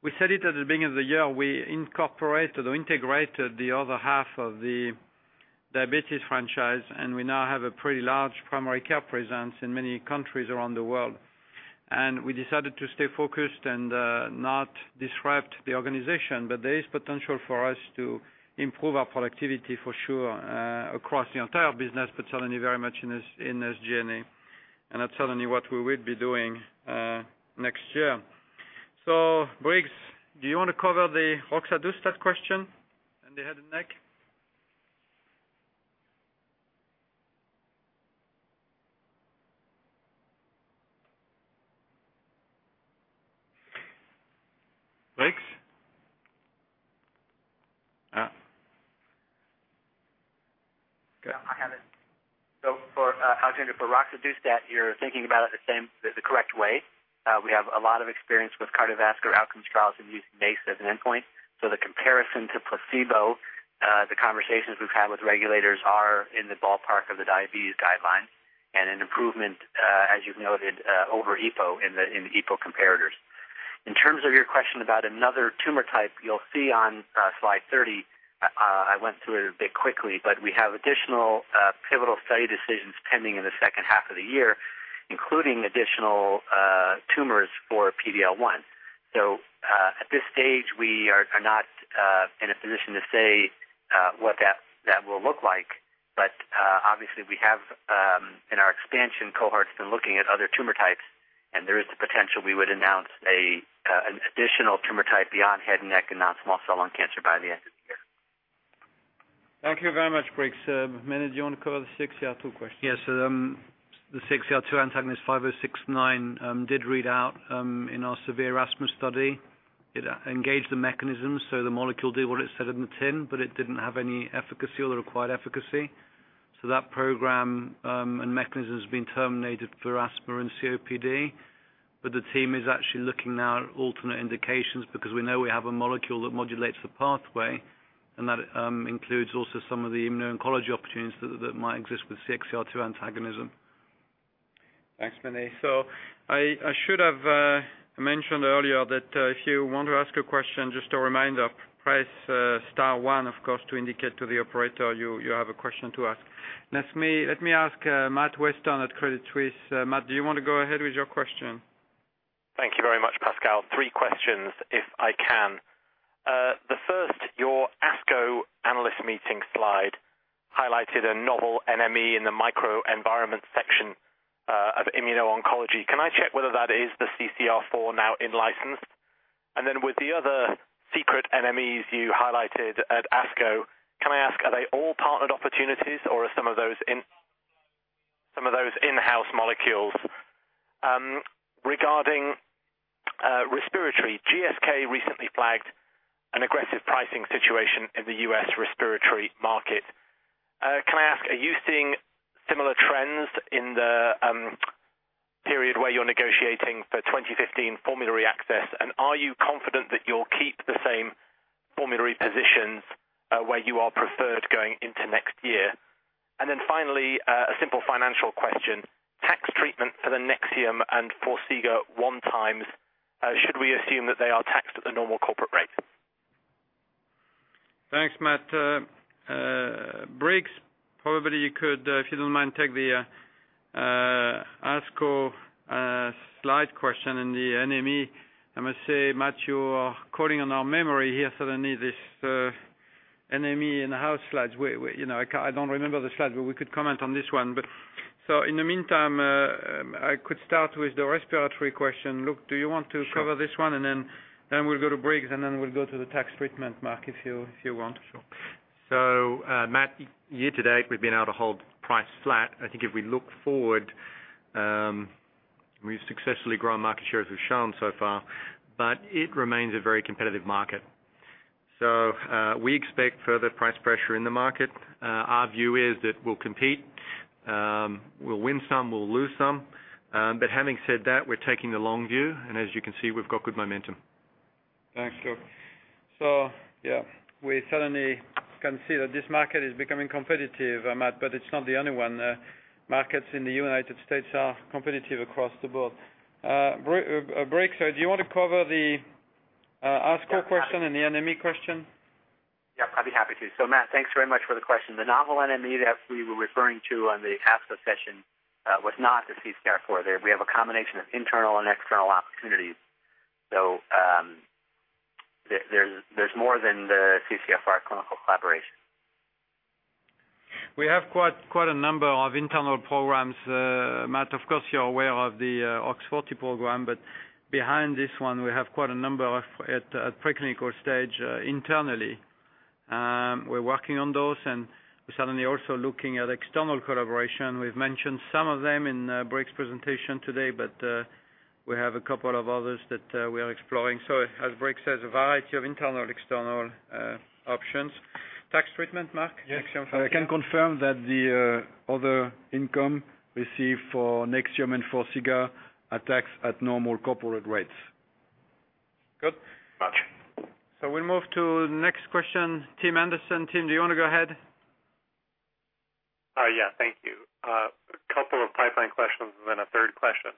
we said it at the beginning of the year, we incorporated or integrated the other half of the diabetes franchise, and we now have a pretty large primary care presence in many countries around the world. We decided to stay focused and not disrupt the organization. There is potential for us to improve our productivity for sure, across the entire business, but certainly very much in SG&A. That's certainly what we will be doing next year. Briggs, do you want to cover the roxadustat question in the head and neck? Briggs? Yeah, I have it. For Alexandra, for roxadustat, you're thinking about it the correct way. We have a lot of experience with cardiovascular outcomes trials and using MACE as an endpoint. The comparison to placebo, the conversations we've had with regulators are in the ballpark of the diabetes guideline, and an improvement, as you've noted, over EPO in the EPO comparators. In terms of your question about another tumor type, you'll see on slide 30, I went through it a bit quickly, we have additional pivotal study decisions pending in the second half of the year, including additional tumors for PD-L1. At this stage, we are not in a position to say what that will look like. Obviously, we have in our expansion cohorts been looking at other tumor types, and there is the potential we would announce an additional tumor type beyond head and neck and non-small cell lung cancer by the end of the year. Thank you very much, Briggs. Mene, do you want to cover the CXCR2 question? Yes. The CXCR2 antagonist AZD5069 did read out in our severe asthma study. It engaged the mechanism, the molecule did what it said on the tin, it did not have any efficacy or the required efficacy. That program and mechanism has been terminated for asthma and COPD. The team is actually looking now at alternate indications because we know we have a molecule that modulates the pathway, and that includes also some of the immuno-oncology opportunities that might exist with CXCR2 antagonism. Thanks, Mene. I should have mentioned earlier that if you want to ask a question, just a reminder, press star one, of course, to indicate to the operator you have a question to ask. Let me ask Matthew Weston at Credit Suisse. Matt, do you want to go ahead with your question? Thank you very much, Pascal. Three questions, if I can. The first, your ASCO analyst meeting slide highlighted a novel NME in the microenvironment section of immuno-oncology. Can I check whether that is the CCR4 now in license? With the other secret NMEs you highlighted at ASCO, can I ask, are they all partnered opportunities, or are some of those in-house molecules? Regarding respiratory, GSK recently flagged an aggressive pricing situation in the U.S. respiratory market. Can I ask, are you seeing similar trends in the period where you're negotiating for 2015 formulary access? Are you confident that you'll keep the same formulary positions where you are preferred going into next year? Finally, a simple financial question. Tax treatment for the NEXIUM and Farxiga one times, should we assume that they are taxed at the normal corporate rate? Thanks, Matt. Briggs, probably you could, if you don't mind, take the ASCO slide question and the NME. I must say, Matt, you're calling on our memory here. This NME in-house slides, I don't remember the slide, but we could comment on this one. In the meantime, I could start with the respiratory question. Luke, do you want to cover this one? Sure. We'll go to Briggs, then we'll go to the tax treatment, Mark, if you want. Matt, year to date, we've been able to hold price flat. I think if we look forward, we've successfully grown market share, as we've shown so far, it remains a very competitive market. We expect further price pressure in the market. Our view is that we'll compete, we'll win some, we'll lose some. Having said that, we're taking the long view, and as you can see, we've got good momentum. Thanks, Pascal Soriot. Yeah, we certainly can see that this market is becoming competitive, Matt, it's not the only one. Markets in the U.S. are competitive across the board. Briggs, do you want to cover the ASCO question and the NME question? Yep, I'd be happy to. Matt, thanks very much for the question. The novel NME that we were referring to on the ASCO session was not the CCR4 there. We have a combination of internal and external opportunities. There's more than the CCR4 clinical collaboration. We have quite a number of internal programs, Matt. Of course, you're aware of the OX40 program, behind this one, we have quite a number at preclinical stage internally. We're working on those and we're certainly also looking at external collaboration. We've mentioned some of them in Briggs's presentation today, we have a couple of others that we are exploring. As Briggs says, a variety of internal, external options. Tax treatment, Marc? Next year for Yes, I can confirm that the other income received for next year and for Farxiga are taxed at normal corporate rates. Good. Much. We move to the next question. Tim Anderson. Tim, do you want to go ahead? Yeah. Thank you. A couple of pipeline questions and then a third question.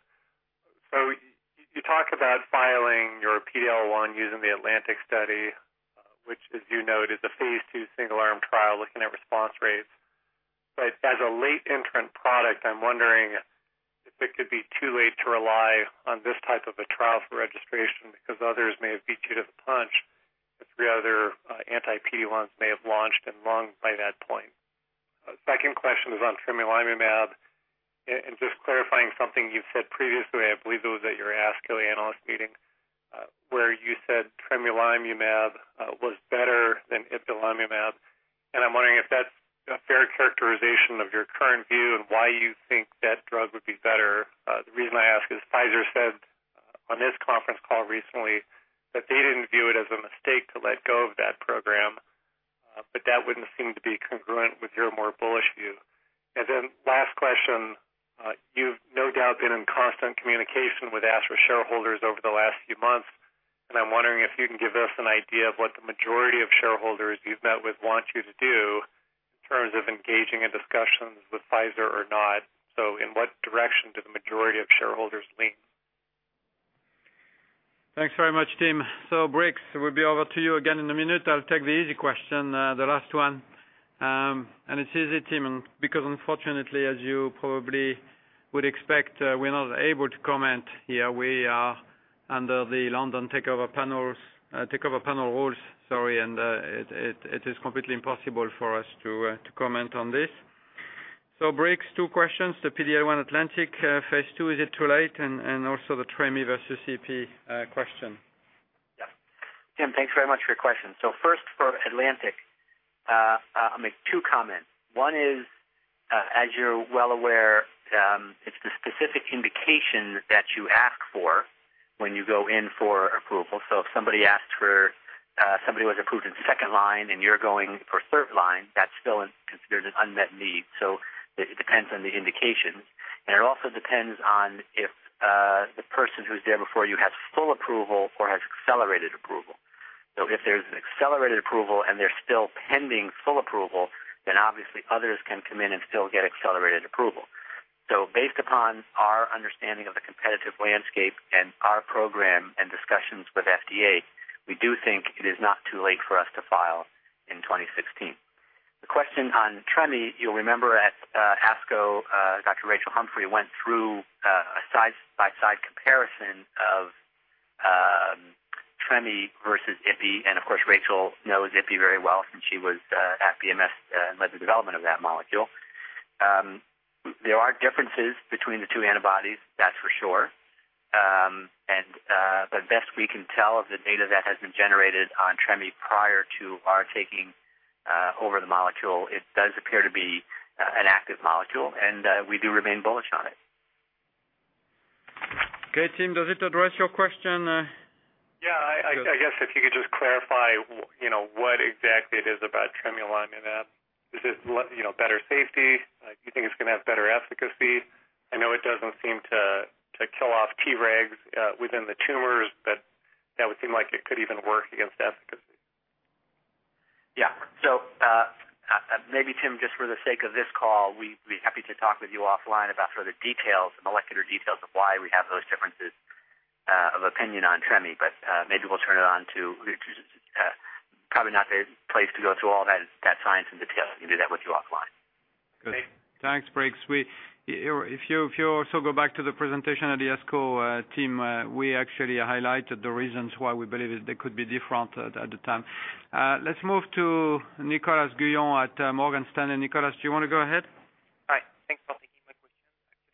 You talk about filing your PD-L1 using the ATLANTIC study, which as you note, is a phase II single-arm trial looking at response rates. As a late entrant product, I'm wondering if it could be too late to rely on this type of a trial for registration because others may have beat you to the punch. The three other anti-PD-L1s may have launched and long by that point. Second question is on tremelimumab, and just clarifying something you've said previously, I believe it was at your Ask the Analyst meeting, where you said tremelimumab was better than ipilimumab, and I'm wondering if that's a fair characterization of your current view and why you think that drug would be better. The reason I ask is Pfizer said on this conference call recently that they didn't view it as a mistake to let go of that program. That wouldn't seem to be congruent with your more bullish view. Last question, you've no doubt been in constant communication with Astra shareholders over the last few months, and I'm wondering if you can give us an idea of what the majority of shareholders you've met with want you to do in terms of engaging in discussions with Pfizer or not. In what direction do the majority of shareholders lean? Tim, thanks very much. Briggs, we'll be over to you again in a minute. I'll take the easy question, the last one. It's easy, Tim, because unfortunately, as you probably would expect, we're not able to comment here. We are under The Takeover Panel rules, and it is completely impossible for us to comment on this. Briggs, two questions. The PD-L1 ATLANTIC phase II, is it too late? Also the tremelimumab versus ipilimumab question. Tim, thanks very much for your question. First for ATLANTIC, I'll make two comments. One is, as you're well aware, it's the specific indication that you ask for when you go in for approval. If somebody was approved in second line and you're going for third line, that's still considered an unmet need. It depends on the indication, and it also depends on if the person who's there before you has full approval or has accelerated approval. If there's an accelerated approval and they're still pending full approval, then obviously others can come in and still get accelerated approval. Based upon our understanding of the competitive landscape and our program and discussions with FDA, we do think it is not too late for us to file in 2016. The question on tremelimumab, you'll remember at ASCO, Dr. Rachel Humphrey went through a side-by-side comparison of tremelimumab versus ipilimumab, and of course, Rachel knows ipilimumab very well since she was at BMS and led the development of that molecule. There are differences between the two antibodies, that's for sure. Best we can tell of the data that has been generated on tremelimumab prior to our taking over the molecule, it does appear to be an active molecule, and we do remain bullish on it. Tim, does it address your question? Yeah. I guess if you could just clarify what exactly it is about tremelimumab. Is it better safety? Do you think it's going to have better efficacy? I know it doesn't seem to kill off Tregs within the tumors, but that would seem like it could even work against efficacy. Yeah. Maybe Tim, just for the sake of this call, we'd be happy to talk with you offline about further details and molecular details of why we have those differences of opinion on tremi. Maybe we'll turn it on to. Probably not the place to go through all that science in detail. We can do that with you offline. Okay. Thanks, Briggs. If you also go back to the presentation at the ASCO team, we actually highlighted the reasons why we believe they could be different at the time. Let's move to Vincent Guyonnet at Morgan Stanley. Nicolas, do you want to go ahead? Hi. Thanks for taking my question.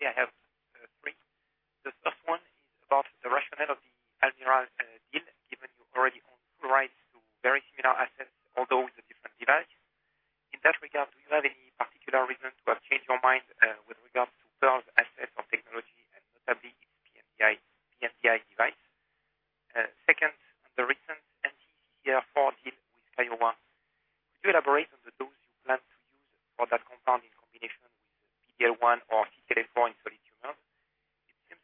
Actually, I have three. The first one is about the rationale of the Almirall deal, given you already own full rights to very similar assets, although with a different device. In that regard, do you have any particular reason to have changed your mind with regards to Pearl Therapeutics' assets or technology, and notably its pMDI device? Second, on the recent CCR4 deal with Kyowa Kirin, it seems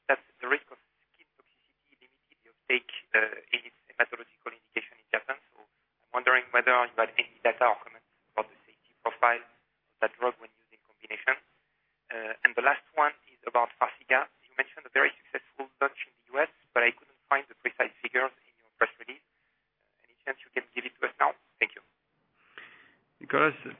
that the risk of skin toxicity limited your take in its hematological indication in Japan. I'm wondering whether you've got any data or comments about the safety profile of that drug when used in combination. The last one is about Farxiga. You mentioned a very successful launch in the U.S., but I couldn't find the precise figures in your press release. Any chance you can give it to us now? Thank you.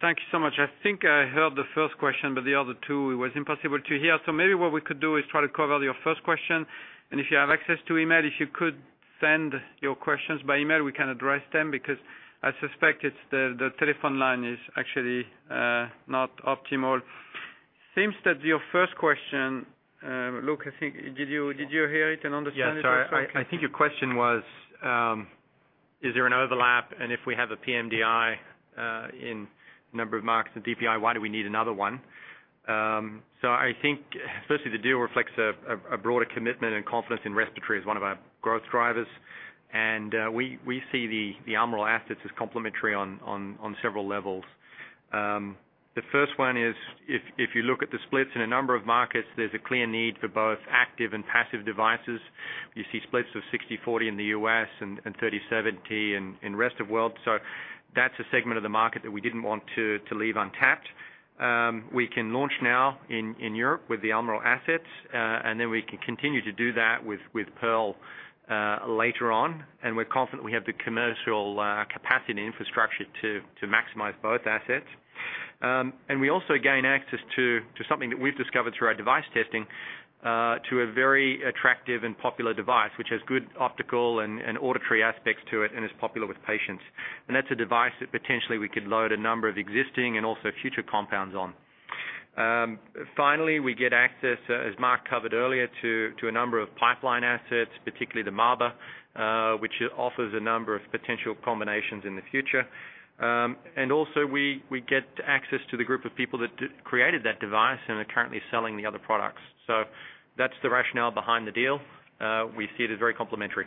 Thank you so much. I think I heard the first question. The other two, it was impossible to hear. Maybe what we could do is try to cover your first question, and if you have access to email, if you could send your questions by email, we can address them because I suspect the telephone line is actually not optimal. Seems that your first question, Luke, I think, did you hear it and understand it also? Yes. I think your question was, is there an overlap? If we have a pMDI in a number of markets in DPI, why do we need another one? I think especially the deal reflects a broader commitment and confidence in respiratory as one of our growth drivers. We see the Almirall assets as complementary on several levels. The first one is, if you look at the splits in a number of markets, there's a clear need for both active and passive devices. You see splits of 60-40 in the U.S. and 30-70 in rest of world. That's a segment of the market that we didn't want to leave untapped. We can launch now in Europe with the Almirall assets, and then we can continue to do that with Pearl later on. We're confident we have the commercial capacity and infrastructure to maximize both assets. We also gain access to something that we've discovered through our device testing, to a very attractive and popular device, which has good optical and auditory aspects to it and is popular with patients. That's a device that potentially we could load a number of existing and also future compounds on. Finally, we get access, as Marc covered earlier, to a number of pipeline assets, particularly the MABA, which offers a number of potential combinations in the future. Also, we get access to the group of people that created that device and are currently selling the other products. That's the rationale behind the deal. We see it as very complementary.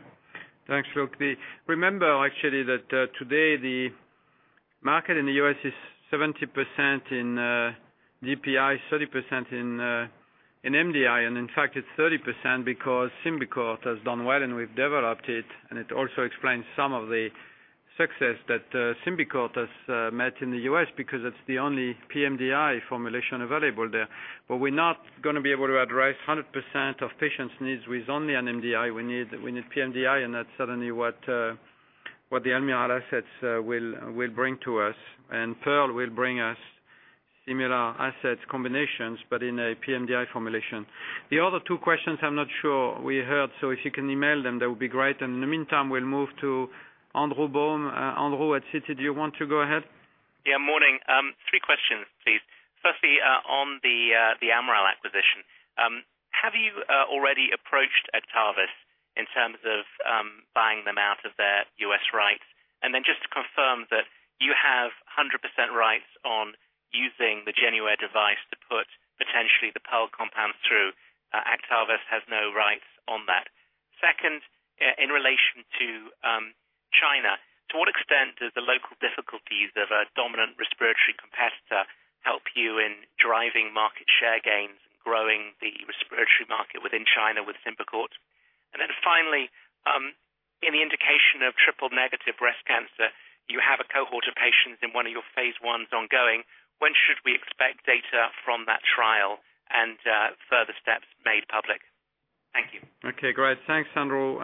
Thanks, Luke. Remember actually that today the market in the U.S. is 70% in DPI, 30% in MDI, and in fact, it's 30% because Symbicort has done well, and we've developed it, and it also explains some of the success that Symbicort has met in the U.S. because it's the only pMDI formulation available there. We're not going to be able to address 100% of patients' needs with only an MDI. We need pMDI. That's certainly what the Almirall assets will bring to us. Pearl will bring us similar asset combinations, but in a pMDI formulation. The other two questions, I'm not sure we heard. If you can email them, that would be great. In the meantime, we'll move to Andrew Baum. Andrew at Citi, do you want to go ahead? Morning. 3 questions, please. Firstly, on the Almirall acquisition. Have you already approached Actavis in terms of buying them out of their U.S. rights? Just to confirm that you have 100% rights on using the Genuair device to put potentially the Pearl compound through. Actavis has no rights on that. Second, in relation to China, to what extent does the local difficulties of a dominant respiratory competitor help you in driving market share gains and growing the respiratory market within China with SYMBICORT? Finally, in the indication of triple-negative breast cancer, you have a cohort of patients in one of your phase I is ongoing. When should we expect data from that trial and further steps made public? Thank you. Okay, great. Thanks, Andrew.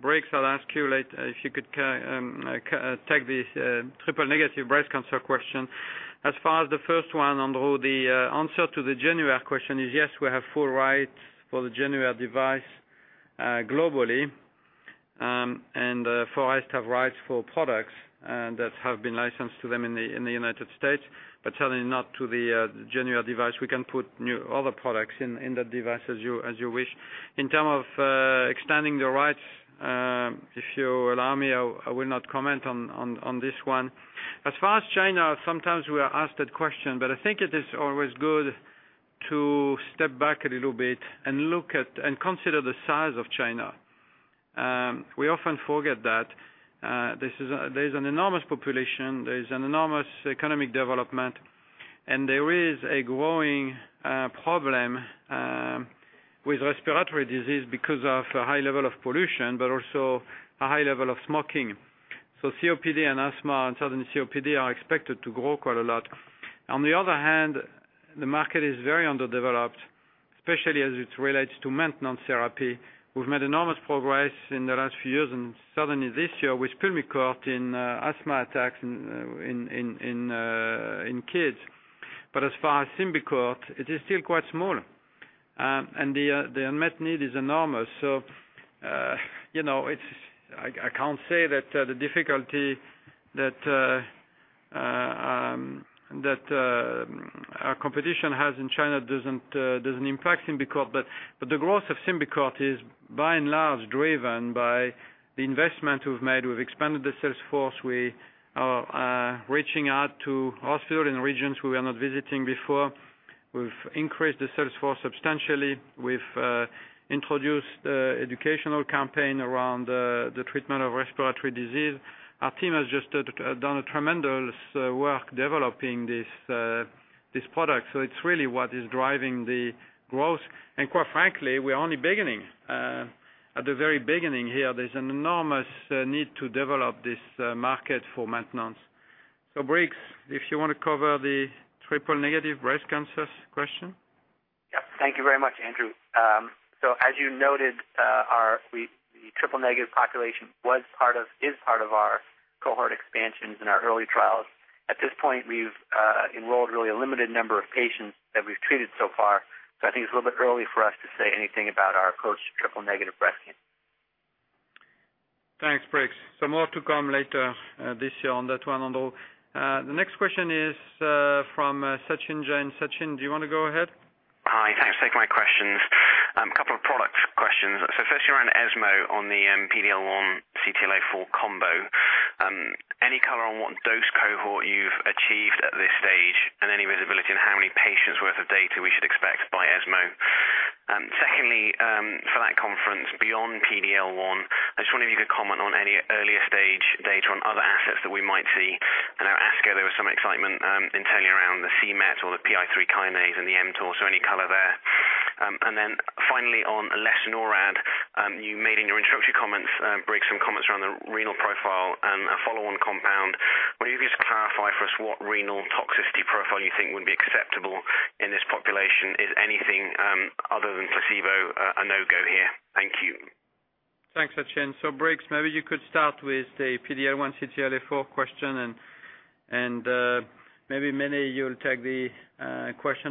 Briggs, I will ask you if you could take the triple-negative breast cancer question. As far as the first one, Andrew, the answer to the Genuair question is yes, we have full rights for the Genuair device globally. Forest have rights for products that have been licensed to them in the U.S., but certainly not to the Genuair device. We can put other products in that device as you wish. In terms of extending the rights, if you allow me, I will not comment on this one. As far as China, sometimes we are asked that question, but I think it is always good to step back a little bit and look at and consider the size of China. We often forget that there's an enormous population, there is an enormous economic development, and there is a growing problem with respiratory disease because of a high level of pollution, but also a high level of smoking. COPD and asthma, and certainly COPD, are expected to grow quite a lot. On the other hand, the market is very underdeveloped, especially as it relates to maintenance therapy. We've made enormous progress in the last few years and certainly this year with PULMICORT in asthma attacks in kids. But as far as SYMBICORT, it is still quite small. The unmet need is enormous. I can't say that the difficulty that our competition has in China doesn't impact SYMBICORT, but the growth of SYMBICORT is by and large driven by the investment we've made. We've expanded the sales force. We are reaching out to hospitals in regions we were not visiting before. We've increased the sales force substantially. We've introduced educational campaign around the treatment of respiratory disease. Our team has just done a tremendous work developing this product. It's really what is driving the growth. Quite frankly, we're only beginning, at the very beginning here. There's an enormous need to develop this market for maintenance. Briggs, if you want to cover the triple-negative breast cancer question? Yes. Thank you very much, Andrew. As you noted, the triple negative population is part of our cohort expansions in our early trials. At this point, we've enrolled really a limited number of patients that we've treated so far. I think it's a little bit early for us to say anything about our approach to triple negative breast cancer. Thanks, Briggs. More to come later this year on that one. The next question is from Sachin Jain. Sachin, do you want to go ahead? Hi. Thanks for taking my questions. A couple of product questions. Firstly around ESMO on the PD-L1 CTLA-4 combo. Any color on what dose cohort you've achieved at this stage and any visibility on how many patients worth of data we should expect by ESMO? Secondly, for that conference beyond PD-L1, I just wonder if you could comment on any earlier stage data on other assets that we might see. I know at ASCO there was some excitement internally around the c-Met or the PI3 kinase and the mTOR. Any color there? Then finally on lesinurad, you made in your introductory comments, Briggs, some comments around the renal profile and a follow-on compound. Wonder if you could clarify for us what renal toxicity profile you think would be acceptable in this population. Is anything other than placebo a no-go here? Thank you. Thanks, Sachin. Briggs, maybe you could start with the PD-L1 CTLA-4 question, and maybe Mene, you'll take the question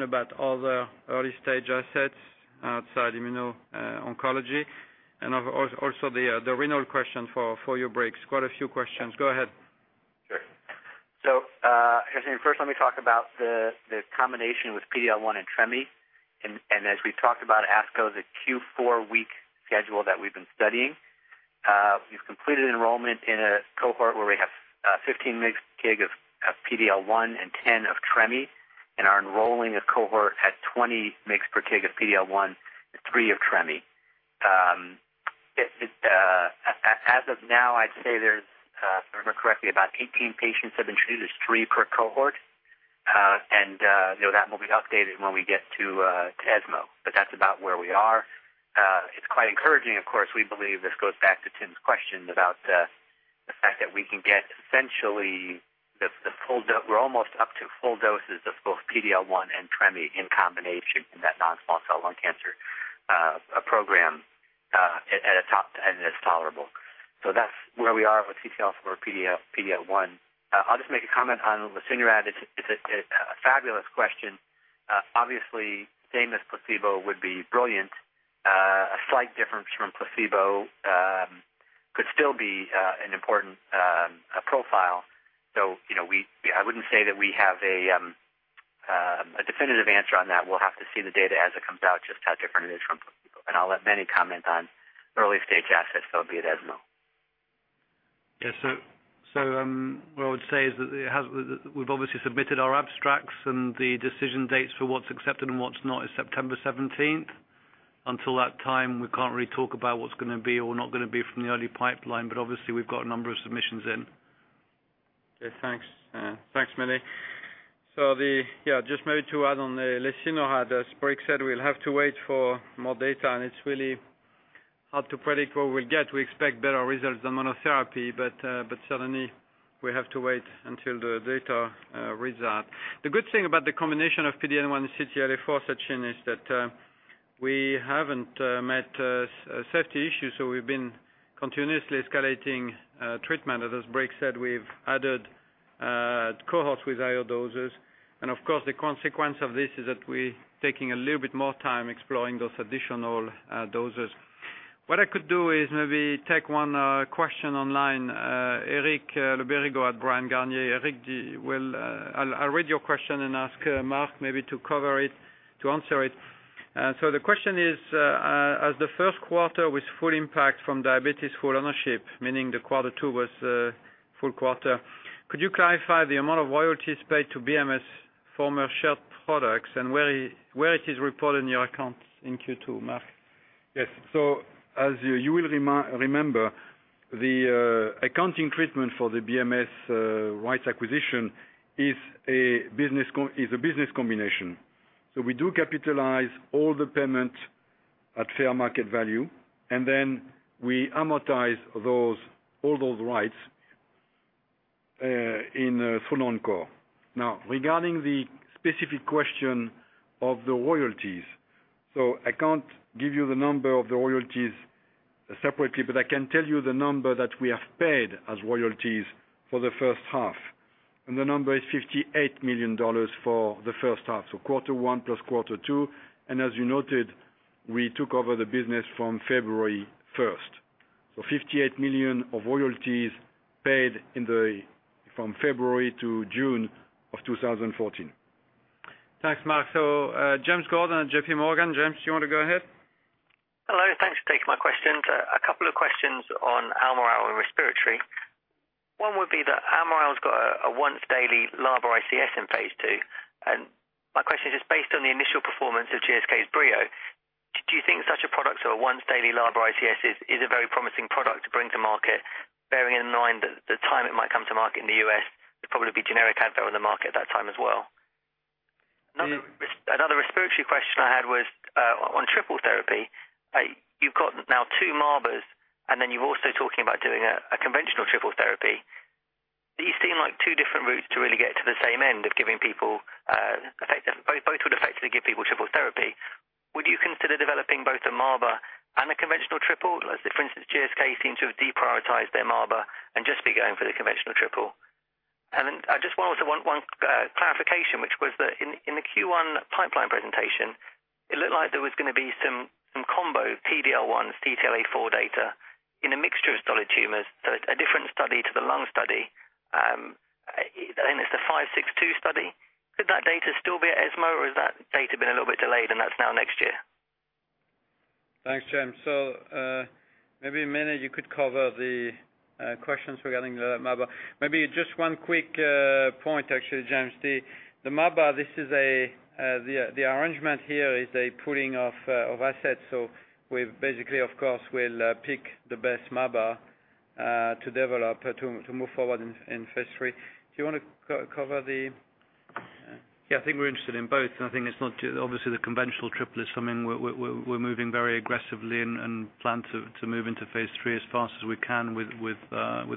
about other early-stage assets outside immuno-oncology. Also the renal question for you, Briggs. Quite a few questions. Go ahead. Sure. Sachin, first let me talk about the combination with PD-L1 and tremi. As we talked about ASCO, the Q4 week schedule that we've been studying. We've completed enrollment in a cohort where we have 15 mg of PD-L1 and 10 of tremi, and are enrolling a cohort at 20 mg per kg of PD-L1 and three of tremi. As of now, I'd say there's, if I remember correctly, about 18 patients have been treated. There's three per cohort. That will be updated when we get to ESMO, but that's about where we are. It's quite encouraging, of course. We believe this goes back to Tim Anderson's question about the fact that we can get essentially we're almost up to full doses of both PD-L1 and tremi in combination in that non-small cell lung cancer program and it's tolerable. That's where we are with CTLA-4 PD-L1. I'll just make a comment on lesinurad. It's a fabulous question. Obviously, same as placebo would be brilliant. A slight difference from placebo could still be an important profile. I wouldn't say that we have a definitive answer on that. We'll have to see the data as it comes out, just how different it is from placebo. I'll let Mene Pangalos comment on early stage assets, there'll be at ESMO. Yes. What I would say is that we've obviously submitted our abstracts and the decision dates for what's accepted and what's not is September 17th. Until that time, we can't really talk about what's going to be or not going to be from the early pipeline, but obviously, we've got a number of submissions in. Okay, thanks. Thanks, Mene Pangalos. Just maybe to add on the lesinurad, as Briggs Morrison said we'll have to wait for more data, and it's really hard to predict what we'll get. We expect better results than monotherapy, but certainly we have to wait until the data reads out. The good thing about the combination of PD-L1 and CTLA-4, Sachin Jain, is that we haven't met a safety issue, we've been continuously escalating treatment. As Briggs Morrison said, we've added cohorts with IO doses. Of course, the consequence of this is that we're taking a little bit more time exploring those additional doses. What I could do is maybe take one question online. Eric Le Berrigaud at Bryan, Garnier & Co. Eric, I'll read your question and ask Marc Dunoyer maybe to cover it, to answer it. The question is as the first quarter with full impact from diabetes full ownership, meaning the quarter 2 was full quarter, could you clarify the amount of royalties paid to BMS former shared products and where it is reported in your accounts in Q2, Marc? Yes. As you will remember, the accounting treatment for the BMS rights acquisition is a business combination. We do capitalize all the payment at fair market value, then we amortize all those rights in full Onco. Regarding the specific question of the royalties. I can't give you the number of the royalties separately, but I can tell you the number that we have paid as royalties for the first half. The number is GBP 58 million for the first half. Quarter 1 plus quarter 2. As you noted, we took over the business from February 1st. 58 million of royalties paid from February to June of 2014. Thanks, Marc. James Gordon at J.P. Morgan. James, you want to go ahead? Taking my questions. A couple of questions on Almirall and respiratory. One would be that Almirall's got a once-daily LABA/ICS in phase II, and my question is just based on the initial performance of GSK's Breo, do you think such a product or a once-daily LABA/ICS is a very promising product to bring to market, bearing in mind that the time it might come to market in the U.S., there'd probably be generic Advair on the market at that time as well? Another respiratory question I had was on triple therapy. You've got now two MABAs, then you're also talking about doing a conventional triple therapy. These seem like two different routes to really get to the same end of giving people. Both would effectively give people triple therapy. Would you consider developing both a MABA and a conventional triple? As, for instance, GSK seem to have deprioritized their MABA and just be going for the conventional triple. I just also want one clarification, which was that in the Q1 pipeline presentation, it looked like there was going to be some combo PD-L1 CTLA-4 data in a mixture of solid tumors, so a different study to the lung study. I think it's the 562 study. Could that data still be at ESMO, or has that data been a little bit delayed and that's now next year? Thanks, James. So maybe, Mene, you could cover the questions regarding the MABA. Maybe just one quick point, actually, James. The MABA, the arrangement here is a pooling of assets. So we basically, of course, will pick the best MABA to develop to move forward in phase III. Do you want to cover the I think we're interested in both. Obviously, the conventional triple is something we're moving very aggressively and plan to move into phase III as fast as we can with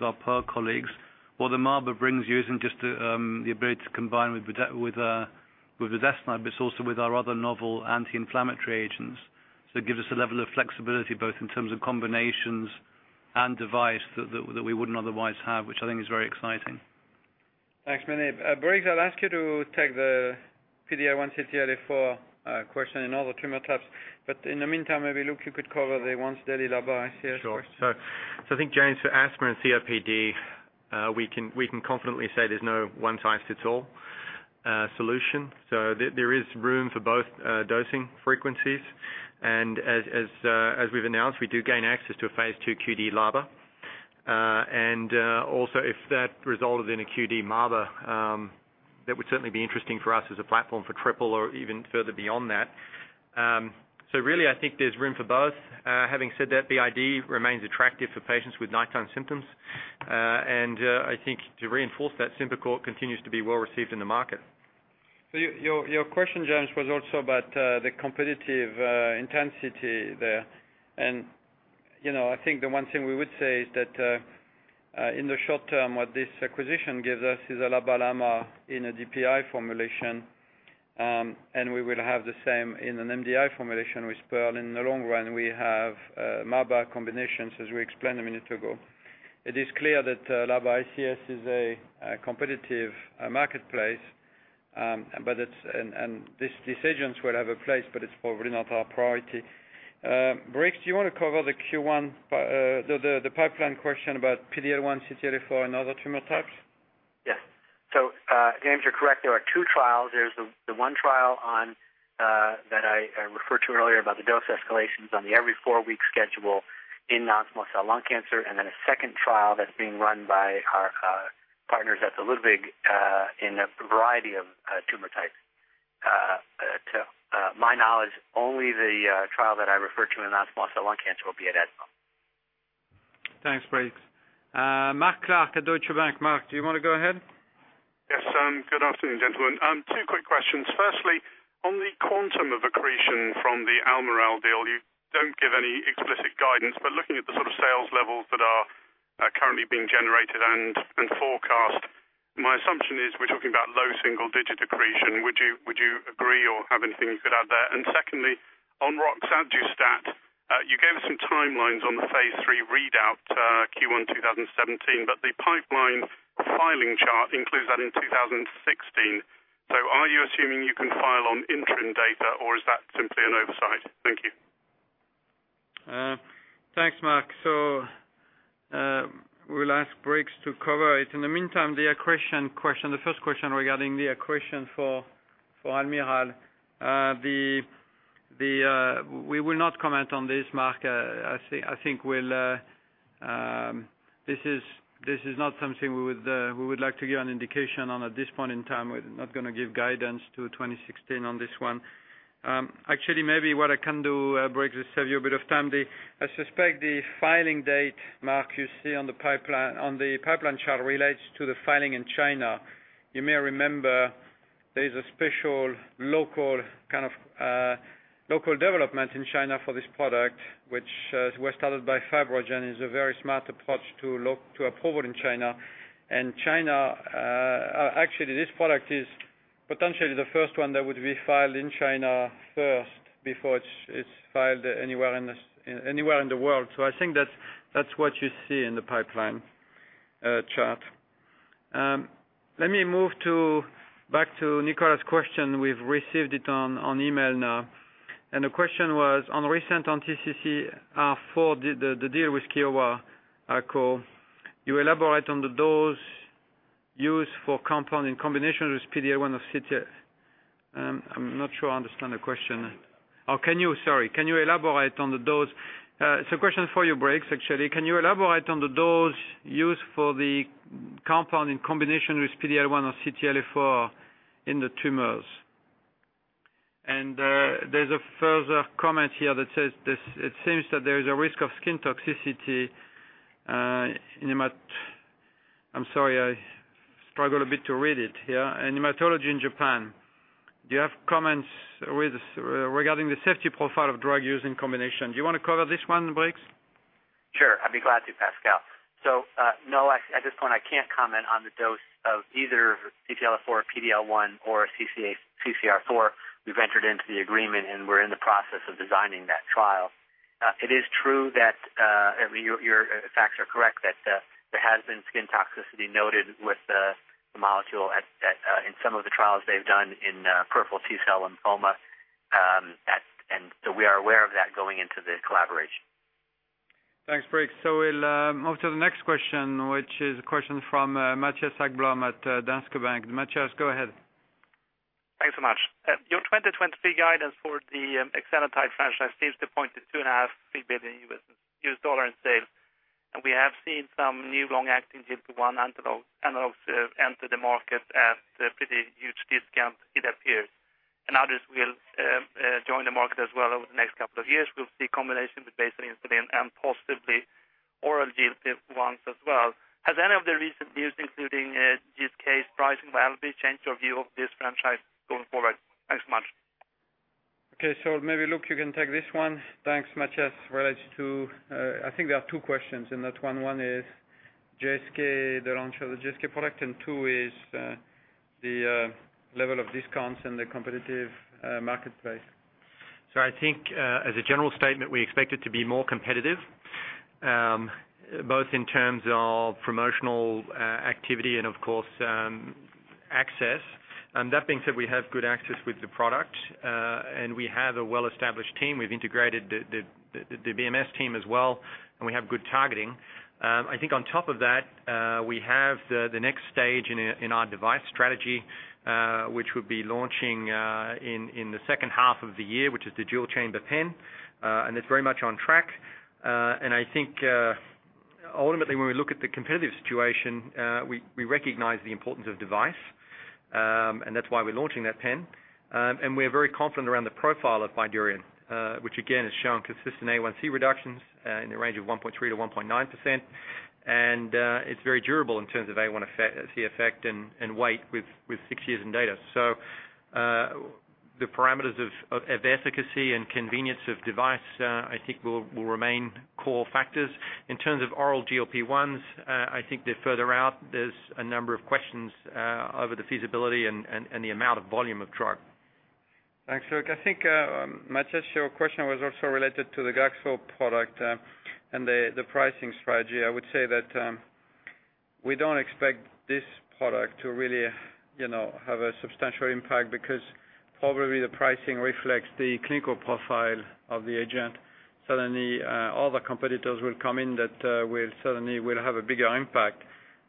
our Pearl colleagues. What the MABA brings you isn't just the ability to combine with vedolizumab, but it's also with our other novel anti-inflammatory agents. So it gives us a level of flexibility, both in terms of combinations and device that we wouldn't otherwise have, which I think is very exciting. Thanks, Mene. Briggs, I'll ask you to take the PD-L1 CTLA-4 question in other tumor types, but in the meantime, maybe, Luke, you could cover the once-daily LABA ICS question. I think, James, for asthma and COPD, we can confidently say there's no one-size-fits-all solution. There is room for both dosing frequencies. As we've announced, we do gain access to a phase II QD LABA. Also if that resulted in a QD MABA, that would certainly be interesting for us as a platform for triple or even further beyond that. Really, I think there's room for both. Having said that, the BID remains attractive for patients with nighttime symptoms. I think to reinforce that, SYMBICORT continues to be well-received in the market. Your question, James, was also about the competitive intensity there. I think the one thing we would say is that in the short term, what this acquisition gives us is a LABA/LAMA in a DPI formulation, and we will have the same in an MDI formulation with Pearl Therapeutics. In the long run, we have MABA combinations, as we explained a minute ago. It is clear that LABA/ICS is a competitive marketplace, and these decisions will have a place, but it's probably not our priority. Briggs Morrison, do you want to cover the Q1, the pipeline question about PD-L1, CTLA-4 and other tumor types? Yes. James, you're correct. There are two trials. There's the one trial that I referred to earlier about the dose escalations on the every four-week schedule in non-small cell lung cancer, and then a second trial that's being run by our partners at the Ludwig Institute for Cancer Research in a variety of tumor types. To my knowledge, only the trial that I referred to in non-small cell lung cancer will be at ESMO. Thanks, Briggs Morrison. Mark Clark at Deutsche Bank. Mark, do you want to go ahead? Yes. Good afternoon, gentlemen. Two quick questions. Firstly, on the quantum of accretion from the Almirall deal, you don't give any explicit guidance, but looking at the sort of sales levels that are currently being generated and forecast, my assumption is we're talking about low single-digit accretion. Would you agree or have anything you could add there? Secondly, on roxadustat, you gave us some timelines on the phase III readout, Q1 2017, but the pipeline filing chart includes that in 2016. Are you assuming you can file on interim data, or is that simply an oversight? Thank you. Thanks, Mark. We'll ask Briggs to cover it. In the meantime, the accretion question, the first question regarding the accretion for Almirall. We will not comment on this, Mark. This is not something we would like to give an indication on at this point in time. We're not going to give guidance to 2016 on this one. Actually, maybe what I can do, Briggs, to save you a bit of time. I suspect the filing date, Mark, you see on the pipeline chart relates to the filing in China. You may remember there is a special local development in China for this product, which was started by FibroGen, is a very smart approach to approval in China. China, actually, this product is potentially the first one that would be filed in China first before it's filed anywhere in the world. I think that's what you see in the pipeline chart. Let me move back to Nicolas' question. We've received it on email now. The question was on recent on TCC, for the deal with Kyowa Kirin. You elaborate on the dose used for compound in combination with PD-L1 or CTLA-4. I'm not sure I understand the question. Oh, sorry. Can you elaborate on the dose? It's a question for you, Briggs, actually. Can you elaborate on the dose used for the compound in combination with PD-L1 or CTLA-4 in the tumors? There's a further comment here that says, it seems that there is a risk of skin toxicity in hematology in Japan. Do you have comments regarding the safety profile of drug use in combination? Do you want to cover this one, Briggs? Sure. I'd be glad to, Pascal. No, at this point, I can't comment on the dose of either CTLA-4, PD-L1, or CCR4. We've entered into the agreement, and we're in the process of designing that trial. It is true that, your facts are correct, that there has been skin toxicity noted with the molecule in some of the trials they've done in peripheral T-cell lymphoma. We are aware of that going into the collaboration. Thanks, Briggs. We'll move to the next question, which is a question from Mattias Haggblom at Danske Bank. Mattias, go ahead. Thanks so much. Your 2023 guidance for the exenatide franchise seems to point to two and a half billion U.S. dollar in sales. We have seen some new long-acting GLP-1 analogs enter the market at a pretty huge discount, it appears. Others will join the market as well over the next couple of years. We'll see combinations with basal insulin and possibly oral GLP-1s as well. Has any of the recent news, including this case pricing, will change your view of this franchise going forward? Thanks so much. Okay, maybe Luke, you can take this one. Thanks, Mattias. I think there are two questions in that one. One is GSK, the launch of the GSK product, and two is the level of discounts in the competitive marketplace. I think, as a general statement, we expect it to be more competitive, both in terms of promotional activity and of course, access. That being said, we have good access with the product. We have a well-established team. We've integrated the BMS team as well, and we have good targeting. I think on top of that, we have the next stage in our device strategy, which would be launching in the second half of the year, which is the dual-chamber pen. It's very much on track. I think ultimately, when we look at the competitive situation, we recognize the importance of device, and that's why we're launching that pen. We're very confident around the profile of BYDUREON, which again, has shown consistent A1C reductions in the range of 1.3%-1.9%. It's very durable in terms of A1C effect and weight with 6 years in data. The parameters of efficacy and convenience of device, I think will remain core factors. In terms of oral GLP-1s, I think they're further out. There's a number of questions over the feasibility and the amount of volume of drug. Thanks, Luke. Mattias, your question was also related to the GlaxoSmithKline product and the pricing strategy. I would say that we don't expect this product to really have a substantial impact because probably the pricing reflects the clinical profile of the agent. Other competitors will come in that will have a bigger impact.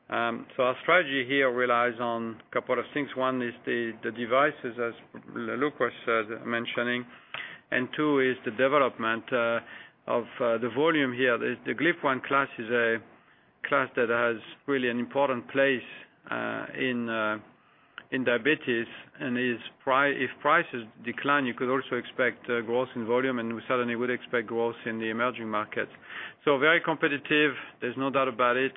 Our strategy here relies on a couple of things. One is the devices, as Luke was mentioning, and two is the development of the volume here. The GLP-1 class is a class that has really an important place in diabetes, and if prices decline, you could also expect growth in volume, and we certainly would expect growth in the emerging markets. Very competitive, there's no doubt about it.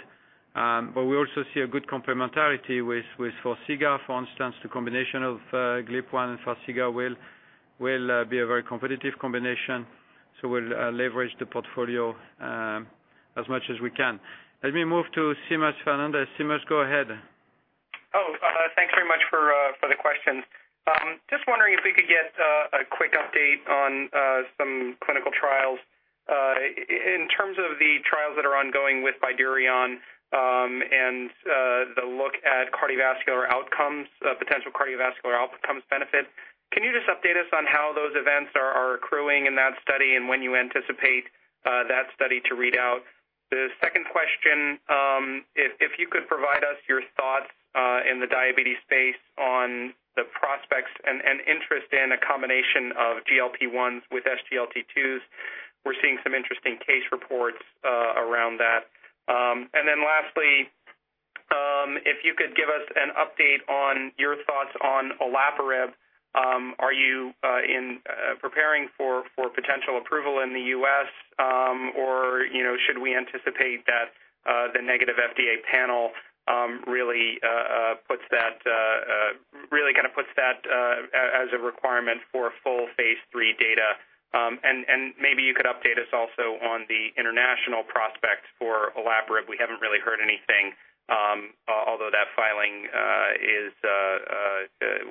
But we also see a good complementarity with Farxiga. For instance, the combination of GLP-1 and Farxiga will be a very competitive combination. We'll leverage the portfolio as much as we can. Let me move to Seamus Fernandez. Seamus, go ahead. Thanks very much for the questions. Just wondering if we could get a quick update on some clinical trials. In terms of the trials that are ongoing with BYDUREON, and the look at potential cardiovascular outcomes benefits, can you just update us on how those events are accruing in that study and when you anticipate that study to read out? The second question, if you could provide us your thoughts in the diabetes space on the prospects and interest in a combination of GLP-1s with SGLT2s. We're seeing some interesting case reports around that. Lastly, if you could give us an update on your thoughts on olaparib. Are you preparing for potential approval in the U.S., or should we anticipate that the negative FDA panel really puts that as a requirement for full phase III data? Maybe you could update us also on the international prospects for olaparib. We haven't really heard anything, although that filing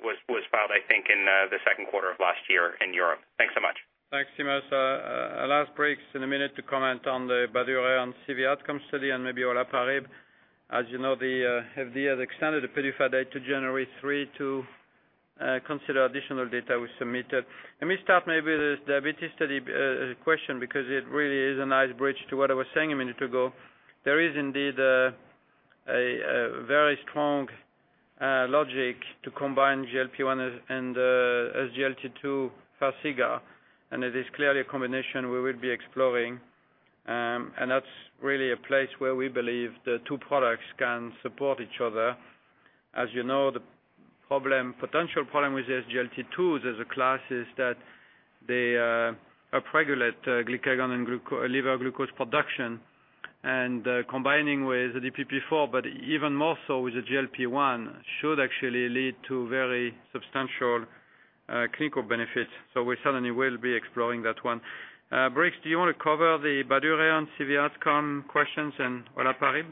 was filed, I think, in the second quarter of last year in Europe. Thanks so much. Thanks, Seamus. I'll ask Briggs in a minute to comment on the BYDUREON CV outcome study and maybe olaparib. As you know, the FDA has extended the PDUFA date to January 3 to consider additional data we submitted. Let me start maybe with this diabetes study question because it really is a nice bridge to what I was saying a minute ago. There is indeed a very strong logic to combine GLP-1 and SGLT2 FARXIGA, it is clearly a combination we will be exploring. That's really a place where we believe the two products can support each other. As you know, the potential problem with the SGLT2 as a class is that they upregulate glucagon and liver glucose production, combining with a DPP-4, but even more so with the GLP-1, should actually lead to very substantial clinical benefits. We certainly will be exploring that one. Briggs, do you want to cover the BYDUREON CV outcome questions and olaparib?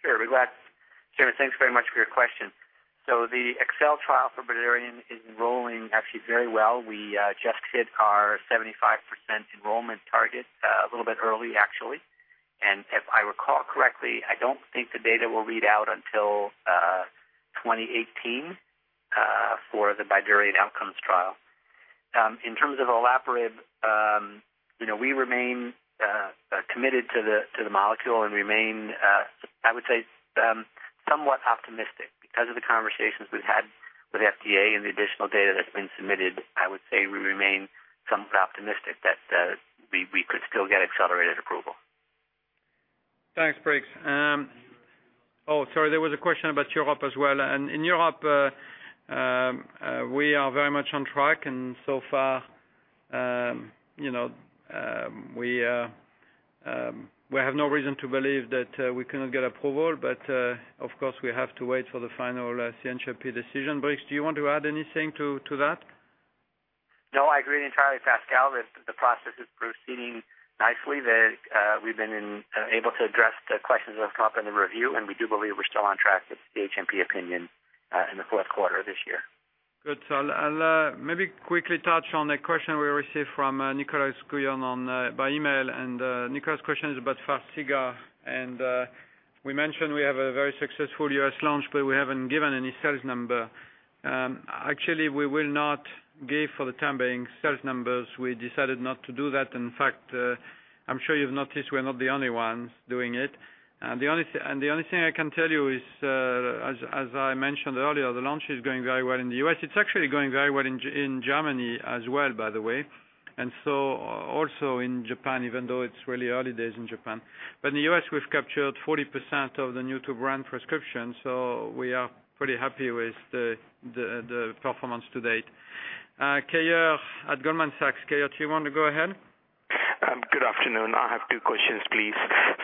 Sure, with that, James, thanks very much for your question. The EXSCEL trial for BYDUREON is enrolling actually very well. We just hit our 75% enrollment target a little bit early actually. If I recall correctly, I don't think the data will read out until 2018 for the BYDUREON outcomes trial. In terms of olaparib, we remain committed to the molecule and remain, I would say, somewhat optimistic because of the conversations we've had with FDA and the additional data that's been submitted. I would say we remain somewhat optimistic that we could still get accelerated approval. Thanks, Briggs. Oh, sorry, there was a question about Europe as well. In Europe, we are very much on track so far, we have no reason to believe that we cannot get approval. Of course, we have to wait for the final CHMP decision. Briggs, do you want to add anything to that? No, I agree entirely, Pascal, that the process is proceeding nicely. That we've been able to address the questions that have come up in the review, We do believe we're still on track with the CHMP opinion in the fourth quarter of this year. Good. I'll maybe quickly touch on a question we received from Nicolas Guyon by email and Nicolas's question is about Farxiga. We mentioned we have a very successful U.S. launch, We haven't given any sales number. Actually, we will not give, for the time being, sales numbers. We decided not to do that. In fact, I'm sure you've noticed we're not the only ones doing it. The only thing I can tell you is, as I mentioned earlier, the launch is going very well in the U.S. It's actually going very well in Germany as well, by the way, also in Japan, even though it's really early days in Japan. In the U.S., we've captured 40% of the new to brand prescription. We are pretty happy with the performance to date. Keyur at Goldman Sachs. Keyur, do you want to go ahead? Good afternoon. I have two questions, please.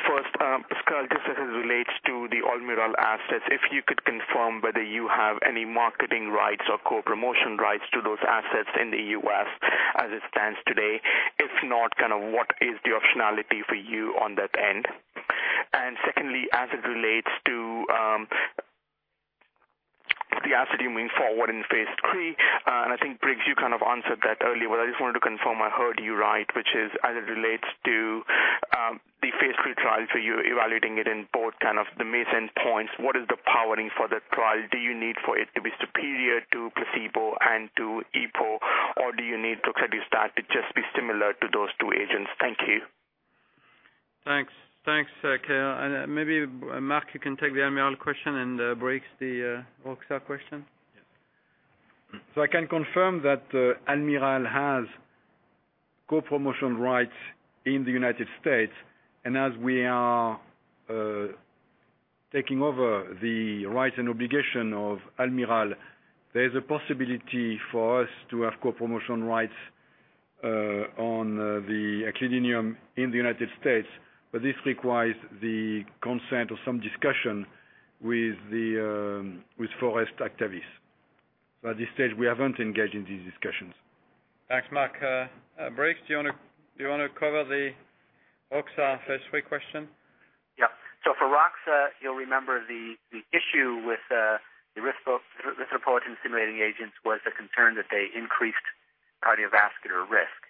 First, Pascal, just as it relates to the Almirall assets, if you could confirm whether you have any marketing rights or co-promotion rights to those assets in the U.S. as it stands today. If not, what is the optionality for you on that end? Secondly, as it relates to the asset you move forward in phase III, I think Briggs you kind of answered that earlier, I just wanted to confirm I heard you right, which is as it relates to the phase III trial. You're evaluating it in both kind of the main endpoints. What is the powering for the trial? Do you need for it to be superior to placebo and to EPO, or do you need roxadustat to just be similar to those two agents? Thank you. Thanks. Thanks, Keyur. Maybe, Marc, you can take the Almirall question and Briggs the Roxa question. Yes. I can confirm that Almirall has co-promotion rights in the U.S. As we are taking over the right and obligation of Almirall, there's a possibility for us to have co-promotion rights on the aclidinium in the U.S., this requires the consent or some discussion with Forest Laboratories/Actavis. At this stage, we haven't engaged in these discussions. Thanks, Marc. Briggs, do you want to cover the Roxa phase III question? Yeah. For Roxa, you'll remember the issue with the risk for angiotensin-stimulating agents was the concern that they increased cardiovascular risk.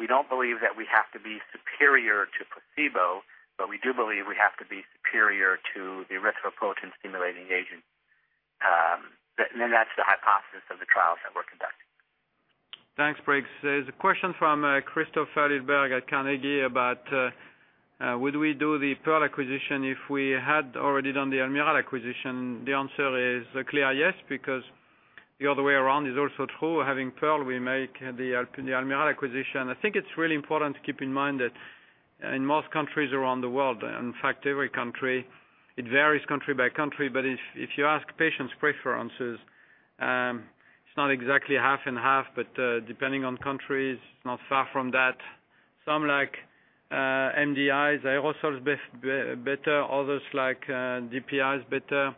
We don't believe that we have to be superior to placebo, but we do believe we have to be superior to the angiotensin-stimulating agent. That's the hypothesis of the trials that we're conducting. Thanks, Briggs. There's a question from Christopher Lyrhem at Carnegie about would we do the Pearl acquisition if we had already done the Almirall acquisition? The answer is a clear yes, because the other way around is also true. Having Pearl, we make the Almirall acquisition. I think it's really important to keep in mind that in most countries around the world, in fact, every country, it varies country by country. If you ask patients' preferences, it's not exactly half and half, but depending on countries, it's not far from that. Some like MDIs, aerosols better. Others like DPIs better.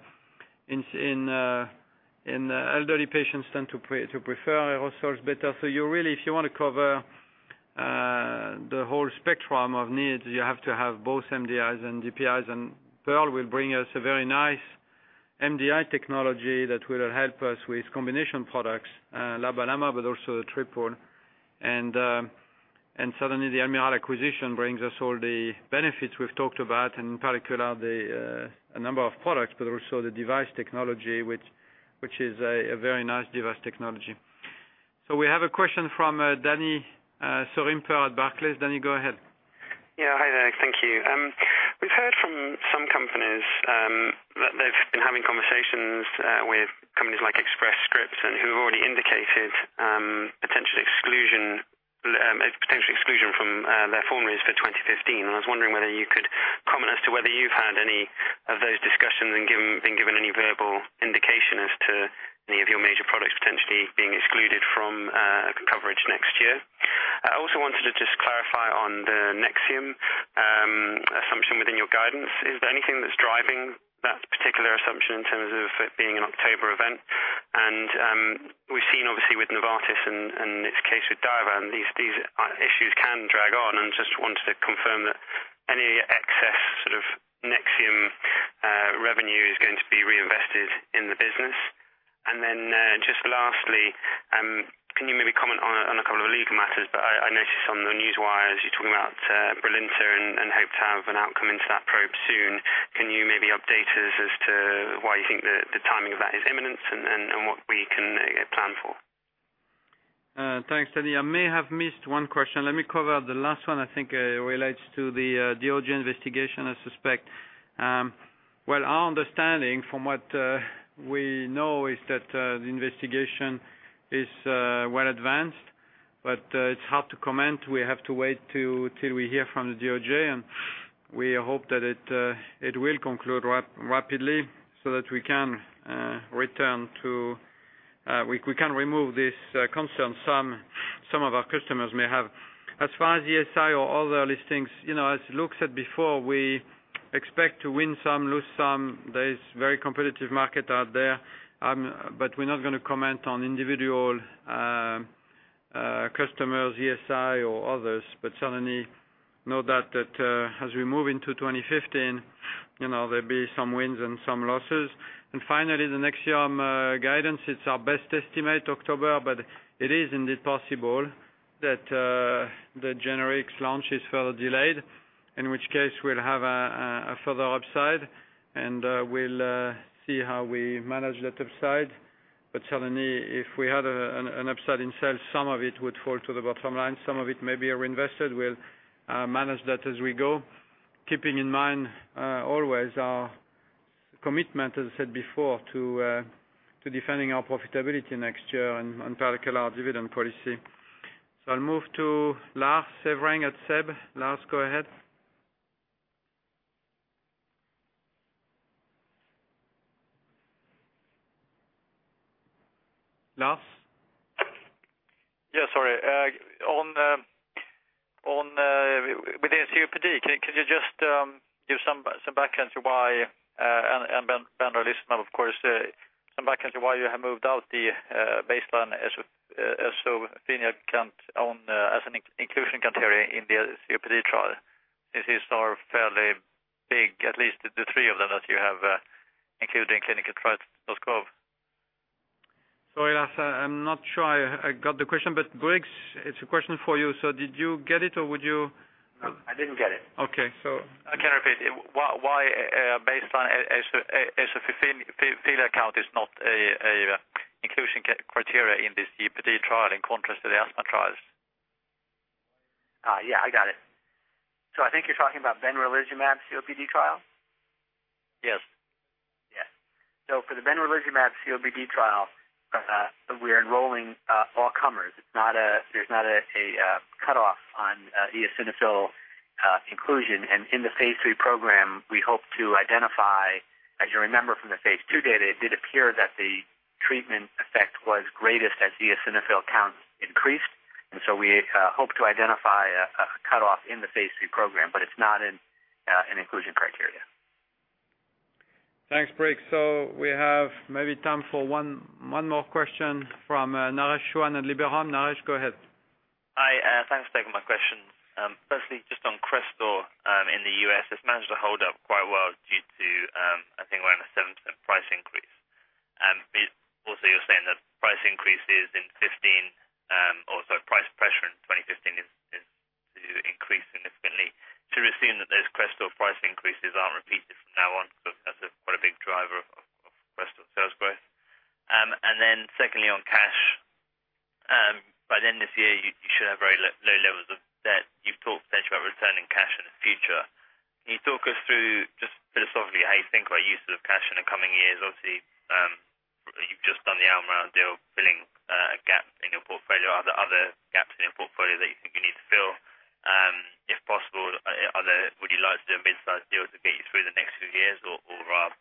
Elderly patients tend to prefer aerosols better. You really, if you want to cover the whole spectrum of needs, you have to have both MDIs and DPIs. Pearl will bring us a very nice MDI technology that will help us with combination products, LAMA/LABA, but also the triple. Suddenly, the Almirall acquisition brings us all the benefits we've talked about, in particular, a number of products, but also the device technology, which is a very nice device technology. We have a question from Danny Sorimpa at Barclays. Danny, go ahead. Yeah. Hi there. Thank you. We've heard from some companies that they've been having conversations with companies like Express Scripts, who have already indicated potential exclusion from their formularies for 2015, and I was wondering whether you could comment as to whether you've had any of those discussions and been given any verbal indication as to any of your major products potentially being excluded from coverage next year. I also wanted to just clarify on the NEXIUM assumption within your guidance. Is there anything that's driving that particular assumption in terms of it being an October event? We've seen, obviously, with Novartis and its case with Diovan, these issues can drag on and just wanted to confirm that any excess sort of NEXIUM revenue is going to be reinvested in the business. Just lastly, can you maybe comment on a couple of legal matters? I noticed on the news wires you're talking about Brilinta and hope to have an outcome into that probe soon. Can you maybe update us as to why you think the timing of that is imminent and what we can plan for? Thanks, Danny. I may have missed one question. Let me cover the last one, I think it relates to the DOJ investigation, I suspect. Well, our understanding from what we know is that the investigation is well advanced, it's hard to comment. We have to wait till we hear from the DOJ. We hope that it will conclude rapidly so that we can remove this concern some of our customers may have. As far as ESI or other listings, as Luke said before, we expect to win some, lose some. There is very competitive market out there. We're not going to comment on individual customers, ESI or others. Certainly know that as we move into 2015, there'll be some wins and some losses. Finally, the NEXIUM guidance, it's our best estimate October. It is indeed possible that the generics launch is further delayed, in which case, we'll have a further upside. We'll see how we manage that upside. Certainly, if we had an upside in sales, some of it would fall to the bottom line. Some of it may be reinvested. We'll manage that as we go, keeping in mind always our commitment, as I said before, to defending our profitability next year and in particular, our dividend policy. I'll move to Lars Hevreng at SEB. Lars, go ahead. Lars? Yeah, sorry. Within COPD, can you just give some background to why, benralizumab of course, some background to why you have moved out the baseline eosinophil count as an inclusion criteria in the COPD trial since these are fairly big, at least the three of them that you have included in clinical trials thus far. Sorry, Lars, I'm not sure I got the question. Briggs, it's a question for you. Did you get it or would you I didn't get it. Okay. I can repeat. Why baseline eosinophil count is not an inclusion criteria in this COPD trial in contrast to the asthma trials? Yeah, I got it. I think you're talking about benralizumab COPD trial? Yes. For the benralizumab COPD trial, we are enrolling all comers. There is not a cutoff on eosinophil inclusion. In the phase III program, we hope to identify, as you remember from the phase II data, it did appear that the treatment effect was greatest as the eosinophil count increased. We hope to identify a cutoff in the phase III program, but it is not an inclusion criteria. Thanks, Briggs. We have maybe time for one more question from Naresh Chouhan at Liberum. Naresh, go ahead. Hi. Thanks for taking my question. Firstly, just on CRESTOR in the U.S., it has managed to hold up quite well due to, I think around a 7% price increase. You are saying that price increases in 2015, or sorry, price pressure in 2015 is to increase significantly. Should we assume that those CRESTOR price increases are not repeated from now on, because that is quite a big driver of CRESTOR sales growth. Secondly, on cash. By the end of this year, you should have very low levels of debt. You have talked potentially about returning cash in the future. Can you talk us through just philosophically how you think about usage of cash in the coming years? Obviously, you have just done the Almirall deal, filling a gap in your portfolio. Are there other gaps in your portfolio that you think you need to fill? If possible, would you like to do a mid-size deal to get you through the next few years or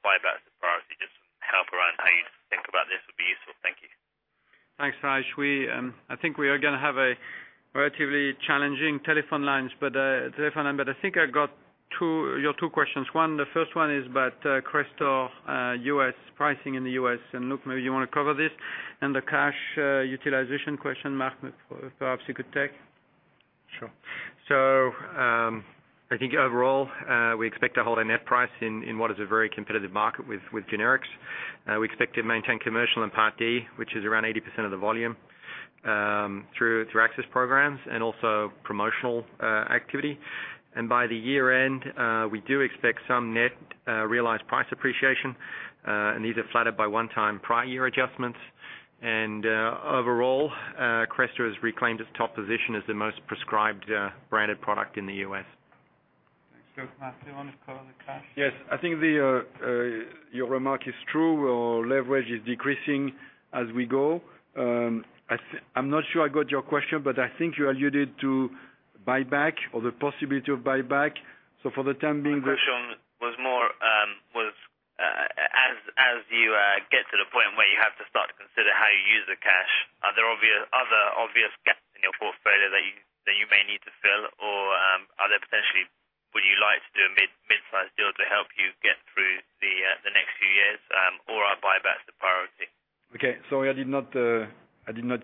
buybacks is a priority? Just some help around how you think about this would be useful. Thank you. Thanks, Naresh. I think we are going to have a relatively challenging telephone lines. I think I got your two questions. One, the first one is about CRESTOR pricing in the U.S., Luke, maybe you want to cover this? The cash utilization question, Marc, perhaps you could take? Sure. I think overall, we expect to hold our net price in what is a very competitive market with generics. We expect to maintain commercial and Part D, which is around 80% of the volume, through access programs and also promotional activity. By the year-end, we do expect some net realized price appreciation, these are flattered by one-time prior year adjustments. Overall, CRESTOR has reclaimed its top position as the most prescribed branded product in the U.S. Thanks. Marc, do you want to cover the cash? Yes. I think your remark is true. Our leverage is decreasing as we go. I'm not sure I got your question, I think you alluded to buyback or the possibility of buyback. My question was, as you get to the point where you have to start to consider how you use the cash, are there other obvious gaps in your portfolio that you may need to fill? Or potentially, would you like to do a mid-size deal to help you get through the next few years, or are buybacks a priority? Okay. Sorry, I did not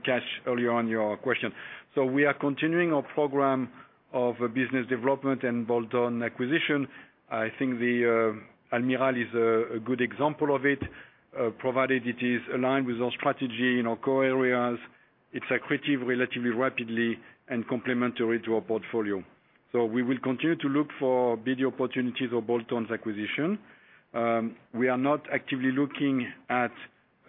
catch earlier on your question. We are continuing our program of business development and bolt-on acquisition. I think the Almirall is a good example of it, provided it is aligned with our strategy in our core areas. It's accretive relatively rapidly and complementary to our portfolio. We will continue to look for BD opportunities or bolt-ons acquisition. We are not actively looking at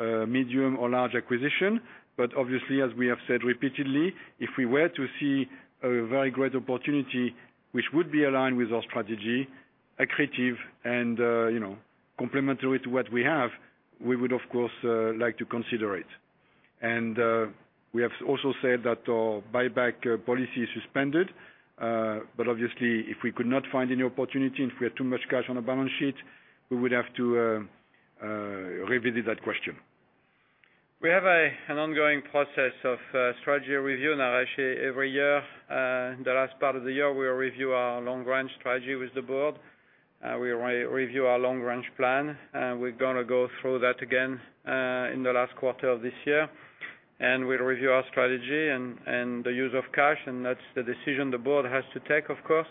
medium or large acquisition, but obviously, as we have said repeatedly, if we were to see a very great opportunity which would be aligned with our strategy, accretive and complementary to what we have, we would, of course, like to consider it. We have also said that our buyback policy is suspended. Obviously, if we could not find any opportunity, if we had too much cash on the balance sheet, we would have to revisit that question. We have an ongoing process of strategy review. Now, actually every year, the last part of the year, we review our long-range strategy with the board. We review our long-range plan. We're going to go through that again in the last quarter of this year. We'll review our strategy and the use of cash, and that's the decision the board has to take, of course,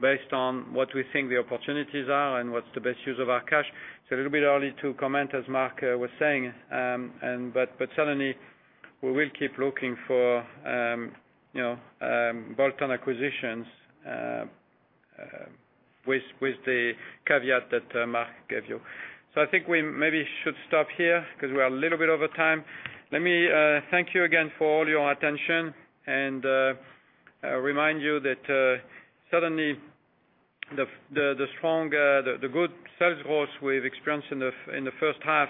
based on what we think the opportunities are and what's the best use of our cash. It's a little bit early to comment, as Marc was saying, but certainly, we will keep looking for bolt-on acquisitions with the caveat that Marc gave you. I think we maybe should stop here because we are a little bit over time. Let me thank you again for all your attention and remind you that certainly, the good sales growth we've experienced in the first half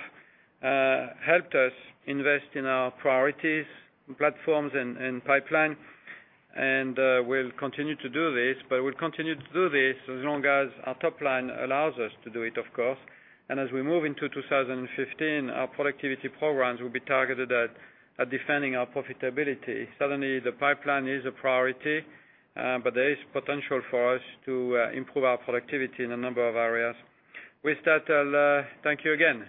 helped us invest in our priorities, platforms, and pipeline. We'll continue to do this, but we'll continue to do this as long as our top line allows us to do it, of course. As we move into 2015, our productivity programs will be targeted at defending our profitability. Certainly, the pipeline is a priority, but there is potential for us to improve our productivity in a number of areas. With that, I'll thank you again